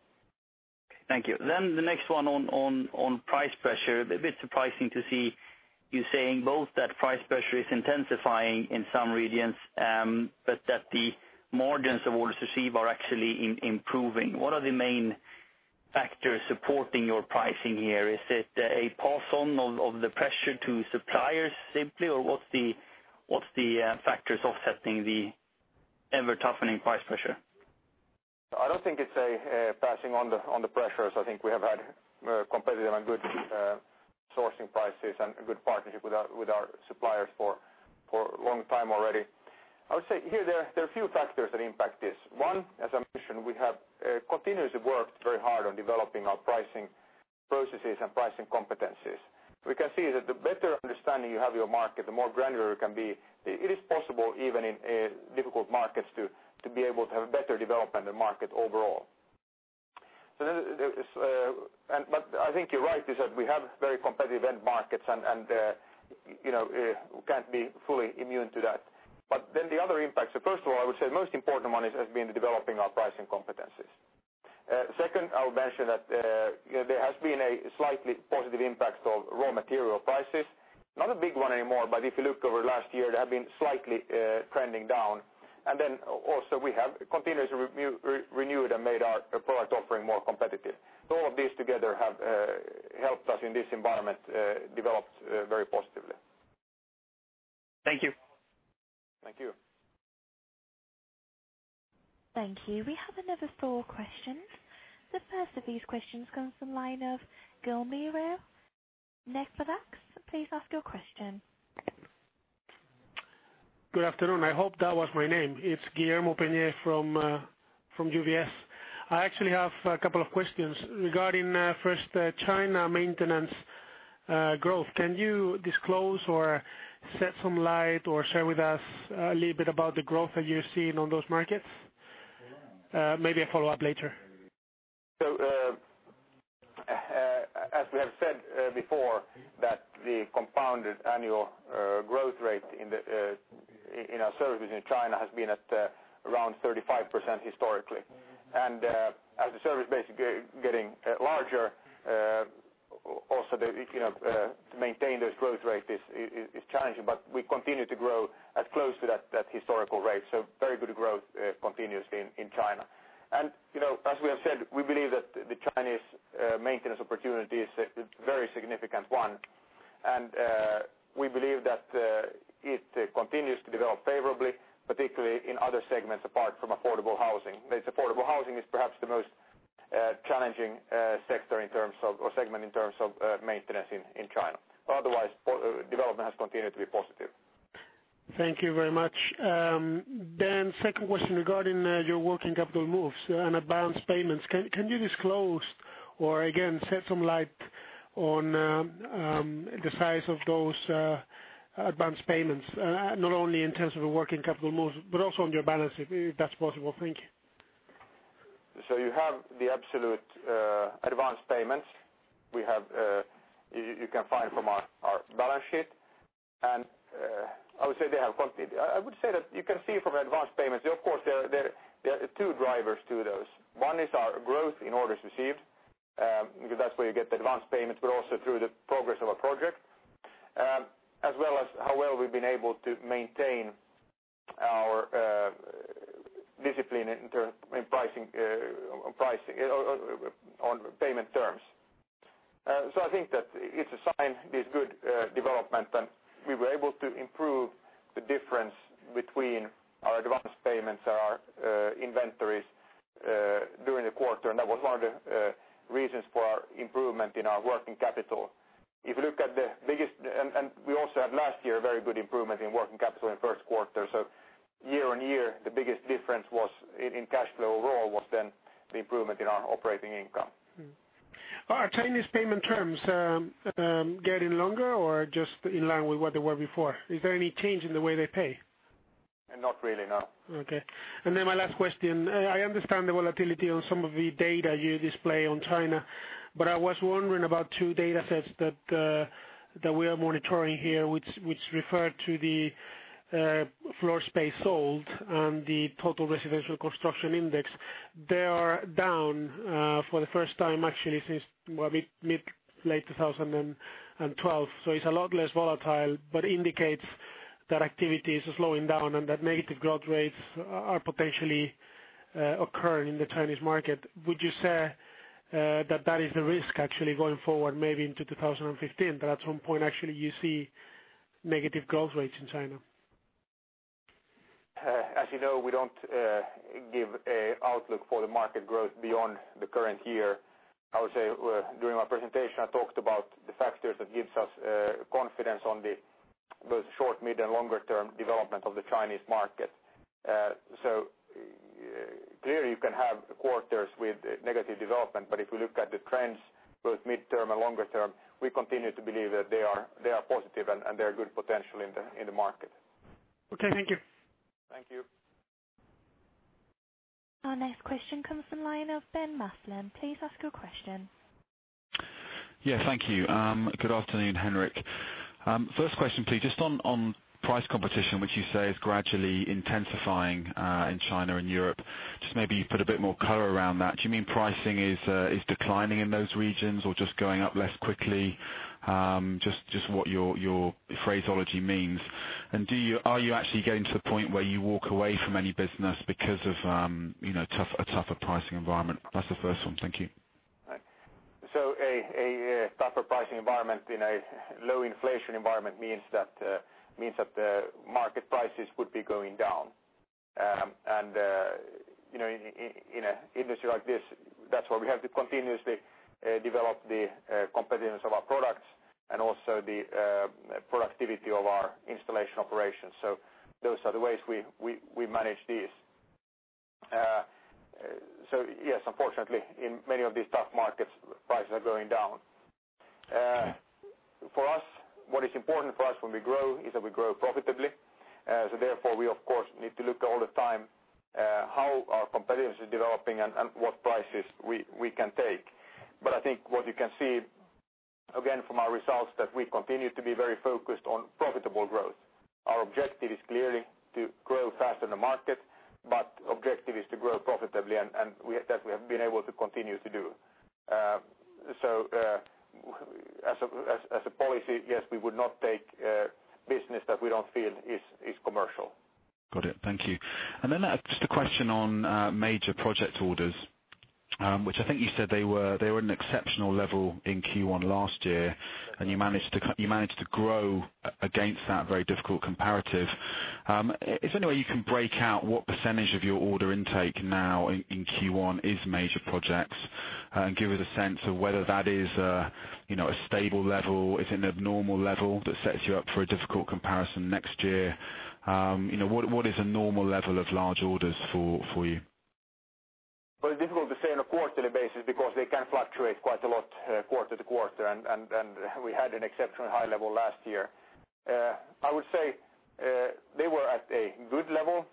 Speaker 8: Thank you. The next one on price pressure. A bit surprising to see you saying both that price pressure is intensifying in some regions, but that the margins of orders received are actually improving. What are the main factors supporting your pricing here? Is it a pass on of the pressure to suppliers simply, or what's the factors offsetting the ever-toughening price pressure?
Speaker 2: I don't think it's a passing on the pressures. I think we have had competitive and good sourcing prices and a good partnership with our suppliers for a long time already. I would say here, there are few factors that impact this. One, as I mentioned, we have continuously worked very hard on developing our pricing processes and pricing competencies. We can see that the better understanding you have of your market, the more granular it can be. It is possible even in difficult markets to be able to have a better development of the market overall. I think you're right, is that we have very competitive end markets and we can't be fully immune to that. The other impacts are, first of all, I would say most important one is, has been developing our pricing competencies. Second, I would mention that there has been a slightly positive impact of raw material prices. Not a big one anymore, but if you look over last year, they have been slightly trending down. Also we have continuously renewed and made our product offering more competitive. All of these together have helped us in this environment develop very positively.
Speaker 8: Thank you.
Speaker 2: Thank you.
Speaker 5: Thank you. We have another four questions. The first of these questions comes from the line of Guillermo. Next please ask your question.
Speaker 9: Good afternoon. I hope that was my name. It's Guillermo Peigneux-Lojo from UBS. I actually have a couple of questions regarding first China maintenance growth. Can you disclose or shed some light or share with us a little bit about the growth that you're seeing on those markets? Maybe I follow up later.
Speaker 2: As we have said before, that the compounded annual growth rate in our services in China has been at around 35% historically. As the service base getting larger, also to maintain this growth rate is challenging, but we continue to grow at close to that historical rate. Very good growth continuously in China. As we have said, we believe that the Chinese maintenance opportunity is a very significant one and we believe that it continues to develop favorably, particularly in other segments apart from affordable housing. Affordable housing is perhaps the most challenging sector or segment in terms of maintenance in China. Otherwise, development has continued to be positive.
Speaker 9: Thank you very much. Second question regarding your working capital moves and advance payments. Can you disclose or again, shed some light on the size of those advance payments? Not only in terms of the working capital moves, but also on your balance sheet, if that's possible. Thank you.
Speaker 2: You have the absolute advance payments. You can find from our balance sheet. I would say that you can see from advance payments, of course, there are two drivers to those. One is our growth in orders received, because that's where you get the advance payments, but also through the progress of a project. How well we've been able to maintain our discipline in pricing on payment terms. I think that it's a sign this good development and we were able to improve the difference between our advance payments and our inventories during the quarter and that was one of the reasons for our improvement in our working capital. We also had last year very good improvement in working capital in first quarter. Year on year, the biggest difference was in cash flow overall was then the improvement in our operating income.
Speaker 9: Are Chinese payment terms getting longer or just in line with what they were before? Is there any change in the way they pay?
Speaker 2: Not really, no.
Speaker 9: Okay. My last question. I understand the volatility on some of the data you display on China. I was wondering about two data sets that we are monitoring here, which refer to the floor space sold and the total residential construction index. They are down for the first time actually since mid, late 2012. It's a lot less volatile but indicates that activity is slowing down and that negative growth rates are potentially occurring in the Chinese market. Would you say that that is the risk actually going forward maybe into 2015, that at some point actually you see negative growth rates in China?
Speaker 2: As you know, we don't give a outlook for the market growth beyond the current year. I would say during my presentation I talked about the factors that gives us confidence on both short, mid and longer term development of the Chinese market. Clearly you can have quarters with negative development, but if you look at the trends both midterm and longer term, we continue to believe that they are positive and there are good potential in the market.
Speaker 9: Okay. Thank you.
Speaker 2: Thank you.
Speaker 5: Our next question comes from the line of Ben Maslen. Please ask your question.
Speaker 10: Yeah. Thank you. Good afternoon, Henrik. First question, please. Just on price competition, which you say is gradually intensifying in China and Europe, just maybe you put a bit more color around that. Do you mean pricing is declining in those regions or just going up less quickly? Just what your phraseology means. Are you actually getting to the point where you walk away from any business because of a tougher pricing environment? That's the first one. Thank you.
Speaker 2: A tougher pricing environment in a low inflation environment means that the market prices would be going down. In an industry like this, that's why we have to continuously develop the competitiveness of our products and also the productivity of our installation operations. Those are the ways we manage this. Yes, unfortunately, in many of these tough markets, prices are going down. What is important for us when we grow is that we grow profitably. Therefore, we of course need to look all the time, how our competitors are developing and what prices we can take. I think what you can see, again, from our results, that we continue to be very focused on profitable growth. Our objective is clearly to grow faster than the market, but objective is to grow profitably, and that we have been able to continue to do. As a policy, yes, we would not take business that we don't feel is commercial.
Speaker 10: Got it. Thank you. Just a question on major project orders, which I think you said they were at an exceptional level in Q1 last year, and you managed to grow against that very difficult comparative. If there's any way you can break out what % of your order intake now in Q1 is major projects and give us a sense of whether that is a stable level, is it an abnormal level that sets you up for a difficult comparison next year? What is a normal level of large orders for you?
Speaker 2: Well, it's difficult to say on a quarterly basis because they can fluctuate quite a lot quarter to quarter. We had an exceptionally high level last year. I would say they were at a good level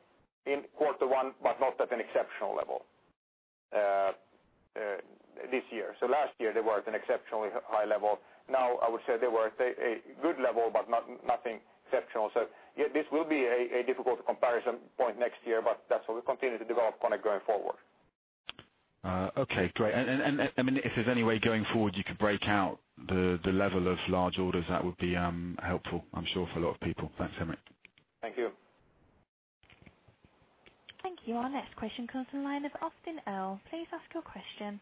Speaker 2: in Q1, but not at an exceptional level this year. Last year they were at an exceptionally high level. Now, I would say they were at a good level, but nothing exceptional. Yeah, this will be a difficult comparison point next year, but that's what we continue to develop KONE going forward.
Speaker 10: Okay, great. If there's any way going forward you could break out the level of large orders, that would be helpful, I'm sure, for a lot of people. Thanks, Henrik.
Speaker 2: Thank you.
Speaker 5: Thank you. Our next question comes from the line of Austin Earl. Please ask your question.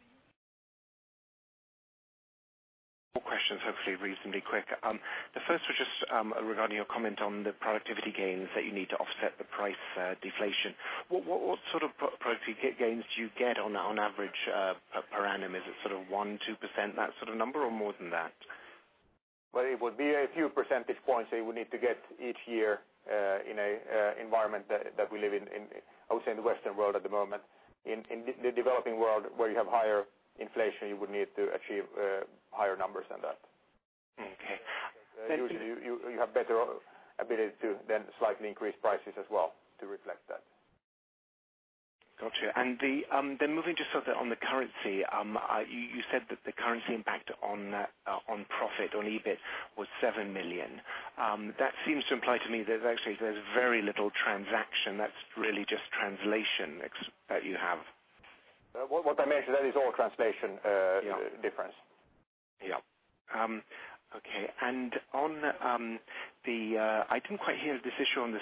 Speaker 11: Four questions, hopefully reasonably quick. The first was just regarding your comment on the productivity gains that you need to offset the price deflation. What sort of productivity gains do you get on average per annum? Is it 1%, 2%, that sort of number, or more than that?
Speaker 2: Well, it would be a few percentage points that we need to get each year in an environment that we live in, I would say in the Western world at the moment. In the developing world where you have higher inflation, you would need to achieve higher numbers than that.
Speaker 11: Okay. Thank you.
Speaker 2: You have better ability to then slightly increase prices as well to reflect that.
Speaker 11: Got you. Moving just sort of on the currency, you said that the currency impact on profit on EBIT was 7 million. That seems to imply to me that actually there's very little transaction, that's really just translation that you have.
Speaker 2: What I mentioned, that is all translation difference.
Speaker 11: Yeah. Okay. I didn't quite hear this issue on the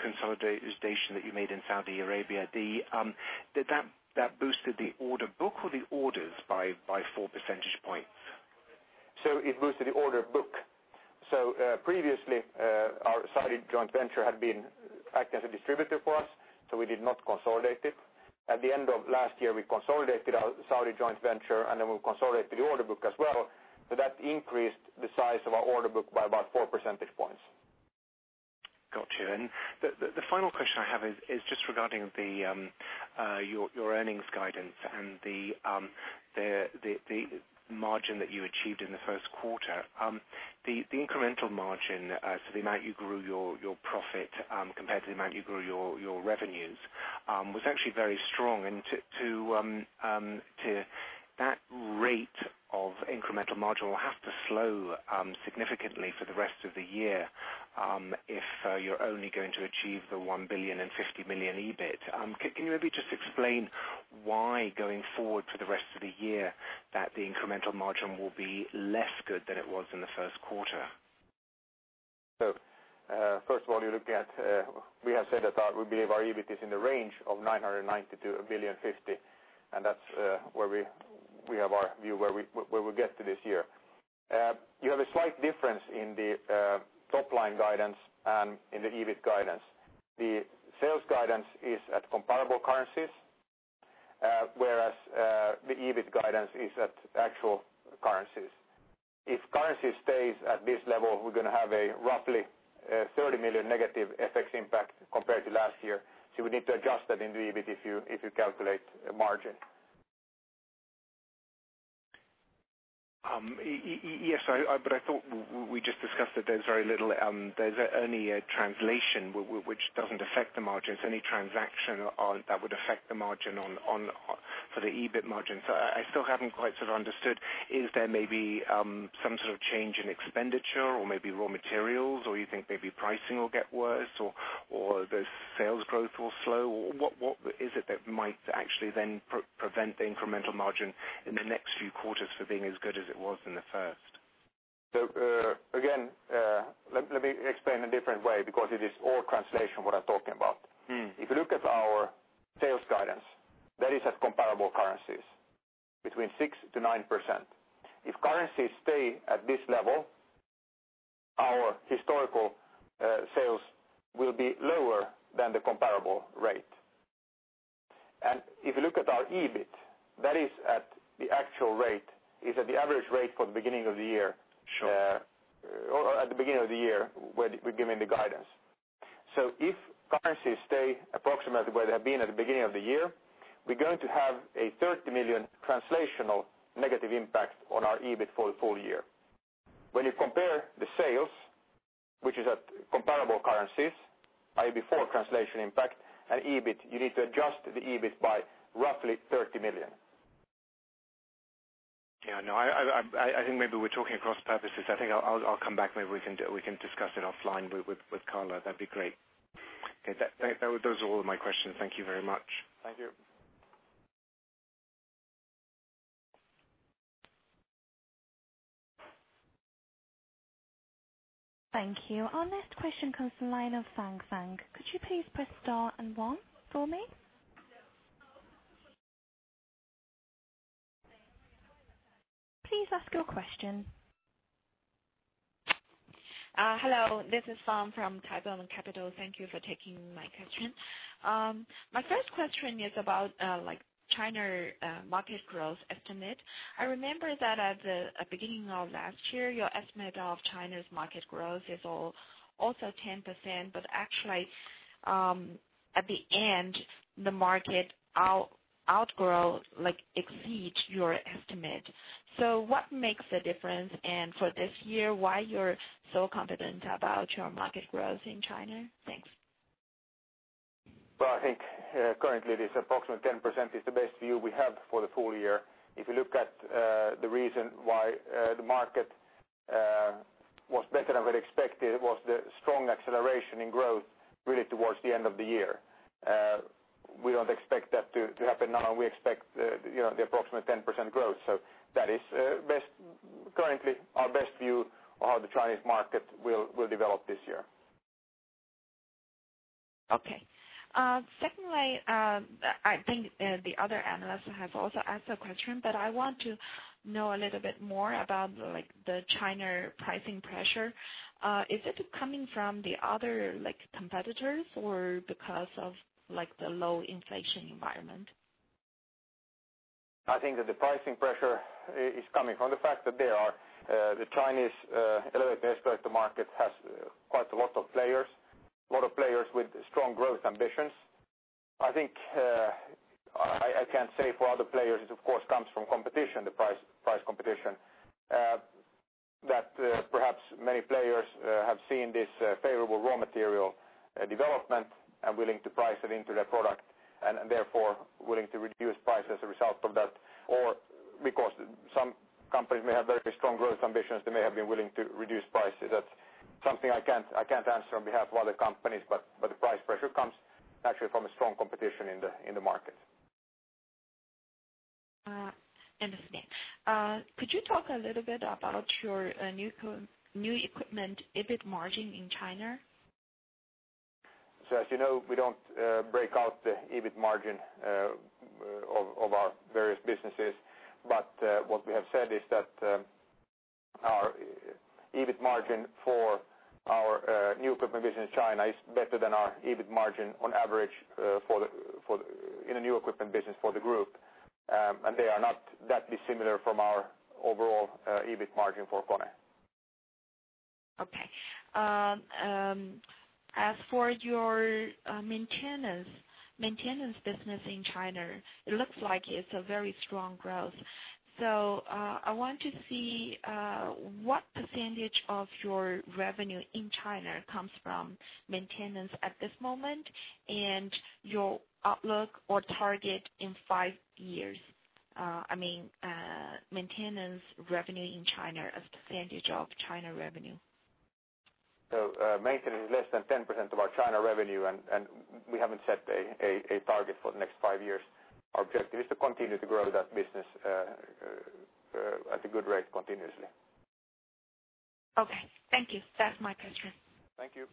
Speaker 11: consolidation that you made in Saudi Arabia. That boosted the order book or the orders by four percentage points?
Speaker 2: It boosted the order book. Previously, our Saudi joint venture had been acting as a distributor for us, we did not consolidate it. At the end of last year, we consolidated our Saudi joint venture, we consolidated the order book as well. That increased the size of our order book by about four percentage points.
Speaker 11: Got you. The final question I have is just regarding your earnings guidance and the margin that you achieved in the first quarter. The incremental margin, the amount you grew your profit, compared to the amount you grew your revenues, was actually very strong. That rate of incremental margin will have to slow significantly for the rest of the year if you're only going to achieve the 1 billion and 50 million EBIT. Can you maybe just explain why, going forward for the rest of the year, the incremental margin will be less good than it was in the first quarter?
Speaker 2: First of all, we have said that we have our EBITs in the range of 990 million to 1 billion 50 million, that's where we have our view where we'll get to this year. You have a slight difference in the top-line guidance and in the EBIT guidance. The sales guidance is at comparable currencies, whereas the EBIT guidance is at actual currencies. If currency stays at this level, we're going to have a roughly 30 million negative FX impact compared to last year. We need to adjust that in the EBIT if you calculate margin.
Speaker 11: Yes, I thought we just discussed that there's only a translation which doesn't affect the margins. Any transaction that would affect the margin for the EBIT margin. I still haven't quite sort of understood is there maybe some sort of change in expenditure or maybe raw materials or you think maybe pricing will get worse or the sales growth will slow? What is it that might actually then prevent the incremental margin in the next few quarters for being as good as it was in the first?
Speaker 2: Again, let me explain a different way because it is all translation what I'm talking about. If you look at our sales guidance, that is at comparable currencies between 6%-9%. If currencies stay at this level, our historical sales will be lower than the comparable rate. If you look at our EBIT, that is at the average rate for the beginning of the year-
Speaker 11: Sure
Speaker 2: or at the beginning of the year when we're giving the guidance. If currencies stay approximately where they have been at the beginning of the year, we're going to have a 30 million translational negative impact on our EBIT for the full year. When you compare the sales, which is at comparable currencies, i.e., before translation impact and EBIT, you need to adjust the EBIT by roughly 30 million.
Speaker 11: I think maybe we're talking across purposes. I think I'll come back. Maybe we can discuss it offline with Karla. That'd be great. Those are all my questions. Thank you very much.
Speaker 2: Thank you.
Speaker 5: Thank you. Our next question comes from the line of Klas Fang. Could you please press star and one for me? Please ask your question.
Speaker 12: Hello, this is Fang from Taipei Capital. Thank you for taking my question. My first question is about China market growth estimate. I remember that at the beginning of last year, your estimate of China's market growth is also 10%, but actually, at the end, the market exceed your estimate. What makes the difference? For this year, why you're so confident about your market growth in China? Thanks.
Speaker 2: Well, I think currently this approximately 10% is the best view we have for the full year. If you look at the reason why the market was better than we had expected was the strong acceleration in growth really towards the end of the year. We don't expect that to happen now. We expect the approximate 10% growth. That is currently our best view of how the Chinese market will develop this year.
Speaker 12: Okay. Secondly, I think the other analyst has also asked that question, but I want to know a little bit more about the China pricing pressure. Is it coming from the other competitors or because of the low inflation environment?
Speaker 2: I think that the pricing pressure is coming from the fact that the Chinese elevator market has quite a lot of players, lot of players with strong growth ambitions. I think I can say for other players it of course comes from competition, the price competition that perhaps many players have seen this favorable raw material development and willing to price it into their product and therefore willing to reduce price as a result of that or because some companies may have very strong growth ambitions, they may have been willing to reduce prices. That is something I cannot answer on behalf of other companies, but the price pressure comes actually from a strong competition in the market.
Speaker 12: Understanding. Could you talk a little bit about your new equipment EBIT margin in China?
Speaker 2: As you know, we do not break out the EBIT margin of our various businesses. What we have said is that our EBIT margin for our new equipment business in China is better than our EBIT margin on average in the new equipment business for the group, and they are not that dissimilar from our overall EBIT margin for KONE.
Speaker 12: Okay. As for your maintenance business in China, it looks like it's a very strong growth. I want to see what % of your revenue in China comes from maintenance at this moment and your outlook or target in five years. I mean, maintenance revenue in China as % of China revenue.
Speaker 2: Maintenance is less than 10% of our China revenue and we haven't set a target for the next five years. Our objective is to continue to grow that business at a good rate continuously.
Speaker 12: Okay. Thank you. That's my question.
Speaker 2: Thank you.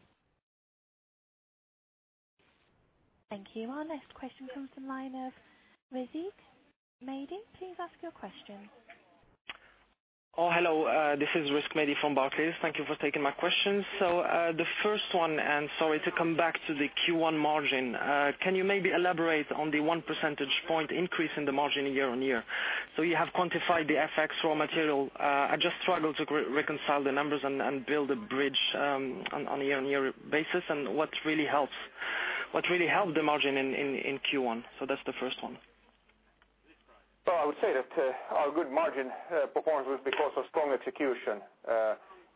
Speaker 5: Thank you. Our next question comes from line of Rizk Mady. Please ask your question.
Speaker 13: Hello, this is Rizk Mady from Barclays. Thank you for taking my question. The first one, sorry to come back to the Q1 margin. Can you maybe elaborate on the one percentage point increase in the margin year-on-year? You have quantified the FX raw material. I just struggle to reconcile the numbers and build a bridge on a year-on-year basis and what really helped the margin in Q1? That's the first one.
Speaker 2: I would say that our good margin performance was because of strong execution.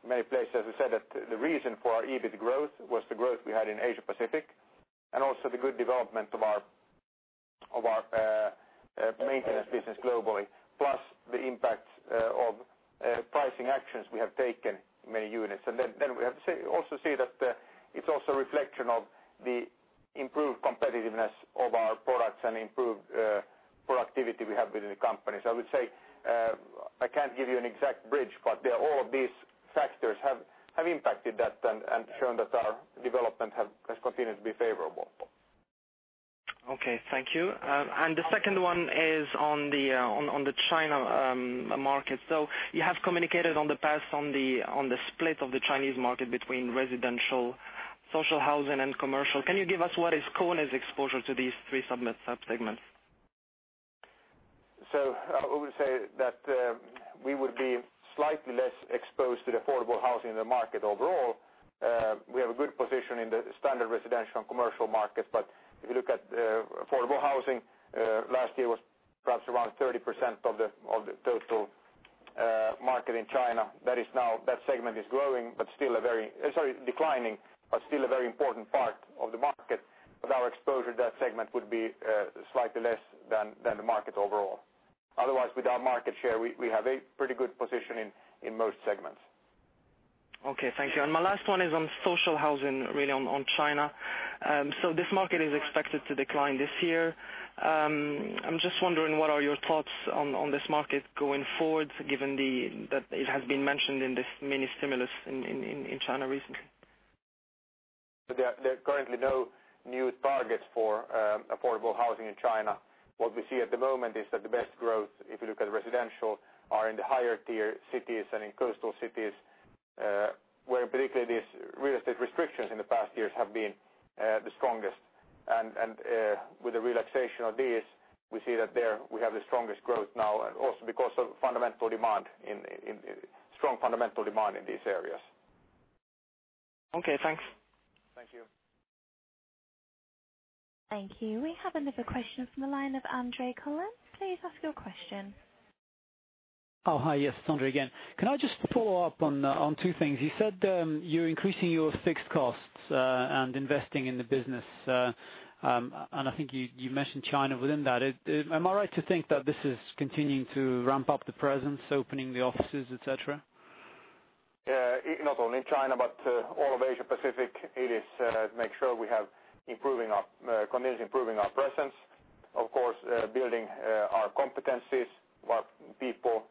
Speaker 2: Many places have said that the reason for our EBIT growth was the growth we had in Asia Pacific, also the good development of our maintenance business globally, plus the impact of pricing actions we have taken many units. We have to also see that it's also a reflection of the improved competitiveness of our products and improved productivity we have within the company. I would say, I can't give you an exact bridge, but all of these factors have impacted that and shown that our development has continued to be favorable.
Speaker 13: Okay. Thank you. The second one is on the China market. You have communicated on the past on the split of the Chinese market between residential, social housing, and commercial. Can you give us what is KONE's exposure to these three sub-segments?
Speaker 2: I would say that we would be slightly less exposed to the affordable housing in the market overall. We have a good position in the standard residential and commercial markets. If you look at affordable housing, last year was perhaps around 30% of the total market in China. That segment is declining, but still a very important part of the market. Our exposure to that segment would be slightly less than the market overall. Otherwise, with our market share, we have a pretty good position in most segments.
Speaker 13: Okay, thank you. My last one is on social housing, really on China. This market is expected to decline this year. I'm just wondering, what are your thoughts on this market going forward, given that it has been mentioned in this mini stimulus in China recently?
Speaker 2: There are currently no new targets for affordable housing in China. What we see at the moment is that the best growth, if you look at residential, are in the higher tier cities and in coastal cities, where particularly these real estate restrictions in the past years have been the strongest. With the relaxation of these, we see that there we have the strongest growth now also because of strong fundamental demand in these areas.
Speaker 13: Okay, thanks.
Speaker 2: Thank you.
Speaker 5: Thank you. We have another question from the line of Andre Kukhnin. Please ask your question.
Speaker 7: Hi. Yes, it's Andre again. Can I just follow up on two things? You said you're increasing your fixed costs and investing in the business, and I think you mentioned China within that. Am I right to think that this is continuing to ramp up the presence, opening the offices, et cetera?
Speaker 2: Not only China, but all of Asia Pacific, it is make sure we have continuing improving our presence, of course, building our competencies, what people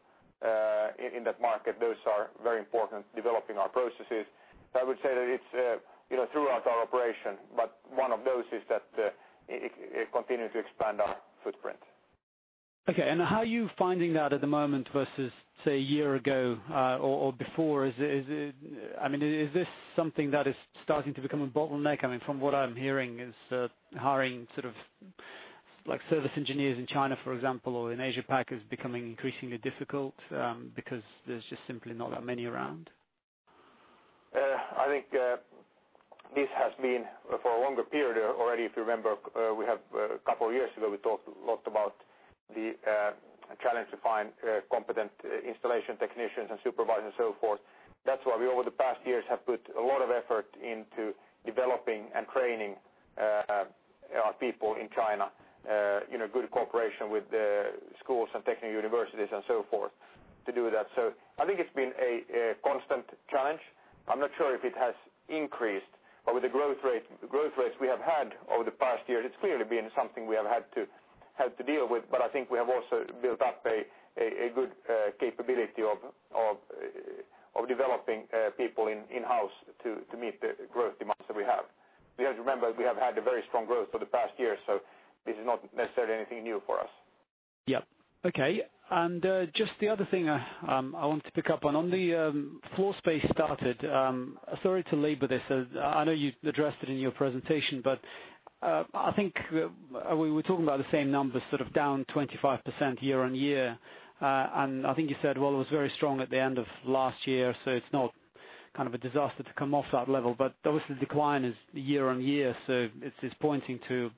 Speaker 2: in that market, those are very important, developing our processes. I would say that it's throughout our operation. One of those is that it continues to expand our footprint.
Speaker 7: Okay. How are you finding that at the moment versus, say, a year ago or before? Is this something that is starting to become a bottleneck? From what I am hearing is hiring service engineers in China, for example, or in Asia Pac is becoming increasingly difficult because there is just simply not that many around.
Speaker 2: I think this has been for a longer period already. If you remember, a couple of years ago, we talked a lot about the challenge to find competent installation technicians and supervisors and so forth. That is why we, over the past years, have put a lot of effort into developing and training our people in China, good cooperation with the schools and technical universities and so forth to do that. I think it has been a constant challenge. I am not sure if it has increased, but with the growth rates we have had over the past year, it is clearly been something we have had to deal with. I think we have also built up a good capability of developing people in-house to meet the growth demands that we have. You have to remember, we have had a very strong growth for the past year, this is not necessarily anything new for us.
Speaker 7: Yep. Okay. Just the other thing I want to pick up on the floor space started. Sorry to labor this. I know you addressed it in your presentation, I think we were talking about the same numbers, down 25% year-on-year. I think you said, well, it was very strong at the end of last year, it is not a disaster to come off that level. Obviously the decline is year-on-year, it is pointing to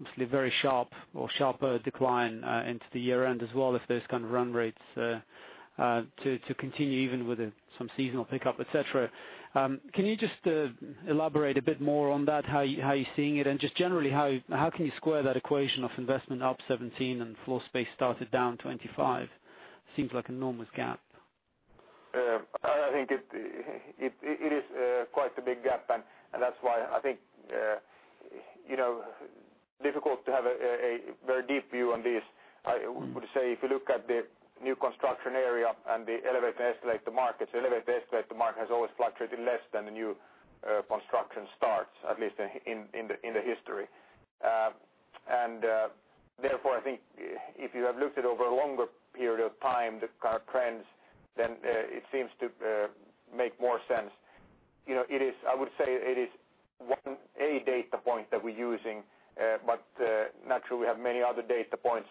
Speaker 7: obviously very sharp or sharper decline into the year-end as well if those kind of run rates to continue even with some seasonal pickup, et cetera. Can you just elaborate a bit more on that, how you are seeing it? Just generally, how can you square that equation of investment up 17% and floor space started down 25%? Seems like an enormous gap.
Speaker 2: I think it is quite a big gap and that's why I think difficult to have a very deep view on this. I would say if you look at the new construction area and the Elevator and Escalator Markets, Elevator and Escalator Market has always fluctuated less than the new construction starts, at least in the history. Therefore, I think if you have looked at over a longer period of time the current trends, then it seems to make more sense. I would say it is a data point that we're using, but naturally we have many other data points.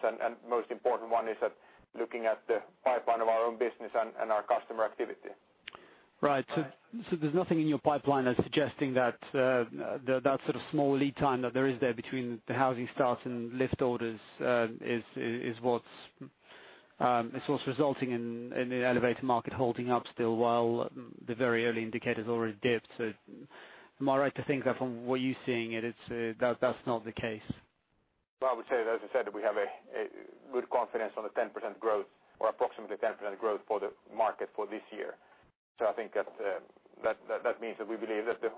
Speaker 2: Most important one is that looking at the pipeline of our own business and our customer activity.
Speaker 7: Right. There's nothing in your pipeline that's suggesting that sort of small lead time that there is there between the housing starts and lift orders is what's resulting in the elevator market holding up still, while the very early indicators already dipped. Am I right to think that from what you're seeing, that's not the case?
Speaker 2: Well, I would say, as I said, we have good confidence on the 10% growth or approximately 10% growth for the market for this year. I think that means that we believe that the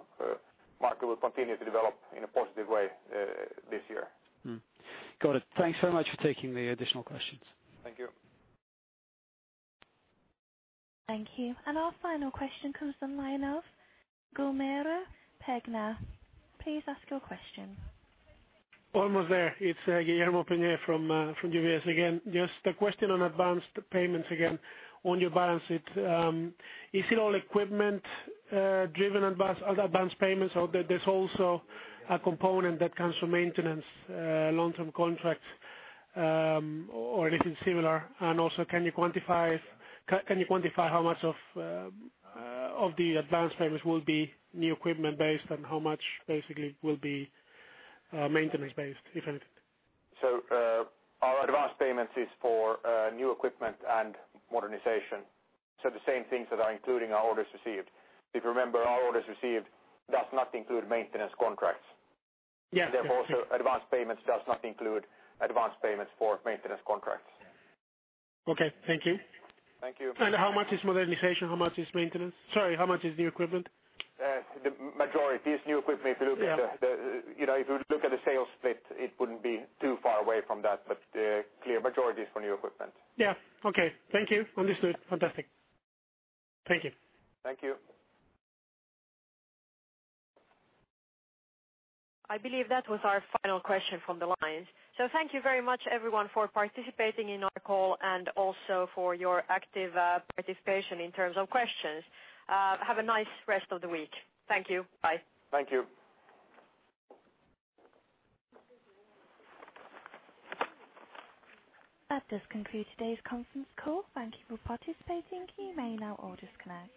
Speaker 2: market will continue to develop in a positive way this year.
Speaker 7: Got it. Thanks so much for taking the additional questions.
Speaker 2: Thank you.
Speaker 5: Thank you. Our final question comes from the line of Guillermo Peigneux-Lojo. Please ask your question.
Speaker 9: Almost there. It's Guillermo Peigneux-Lojo from UBS again, just a question on advanced payments again, on your balance sheet. Is it all equipment-driven advanced payments, or there's also a component that comes from maintenance, long-term contracts, or anything similar? Also, can you quantify how much of the advanced payments will be new equipment-based and how much basically will be maintenance-based, if anything?
Speaker 2: Our advanced payments is for new equipment and modernization. The same things that are including our orders received. If you remember, our orders received does not include maintenance contracts.
Speaker 9: Yeah.
Speaker 2: Advanced payments does not include advanced payments for maintenance contracts.
Speaker 9: Okay. Thank you.
Speaker 2: Thank you.
Speaker 9: How much is modernization? How much is maintenance? Sorry, how much is new equipment?
Speaker 2: The majority is new equipment.
Speaker 9: Yeah.
Speaker 2: If you look at the sales split, it wouldn't be too far away from that, but the clear majority is for new equipment.
Speaker 9: Yeah. Okay. Thank you. Understood. Fantastic. Thank you.
Speaker 2: Thank you.
Speaker 1: I believe that was our final question from the lines. Thank you very much, everyone, for participating in our call and also for your active participation in terms of questions. Have a nice rest of the week. Thank you. Bye.
Speaker 2: Thank you.
Speaker 5: That does conclude today's conference call. Thank you for participating. You may now all disconnect.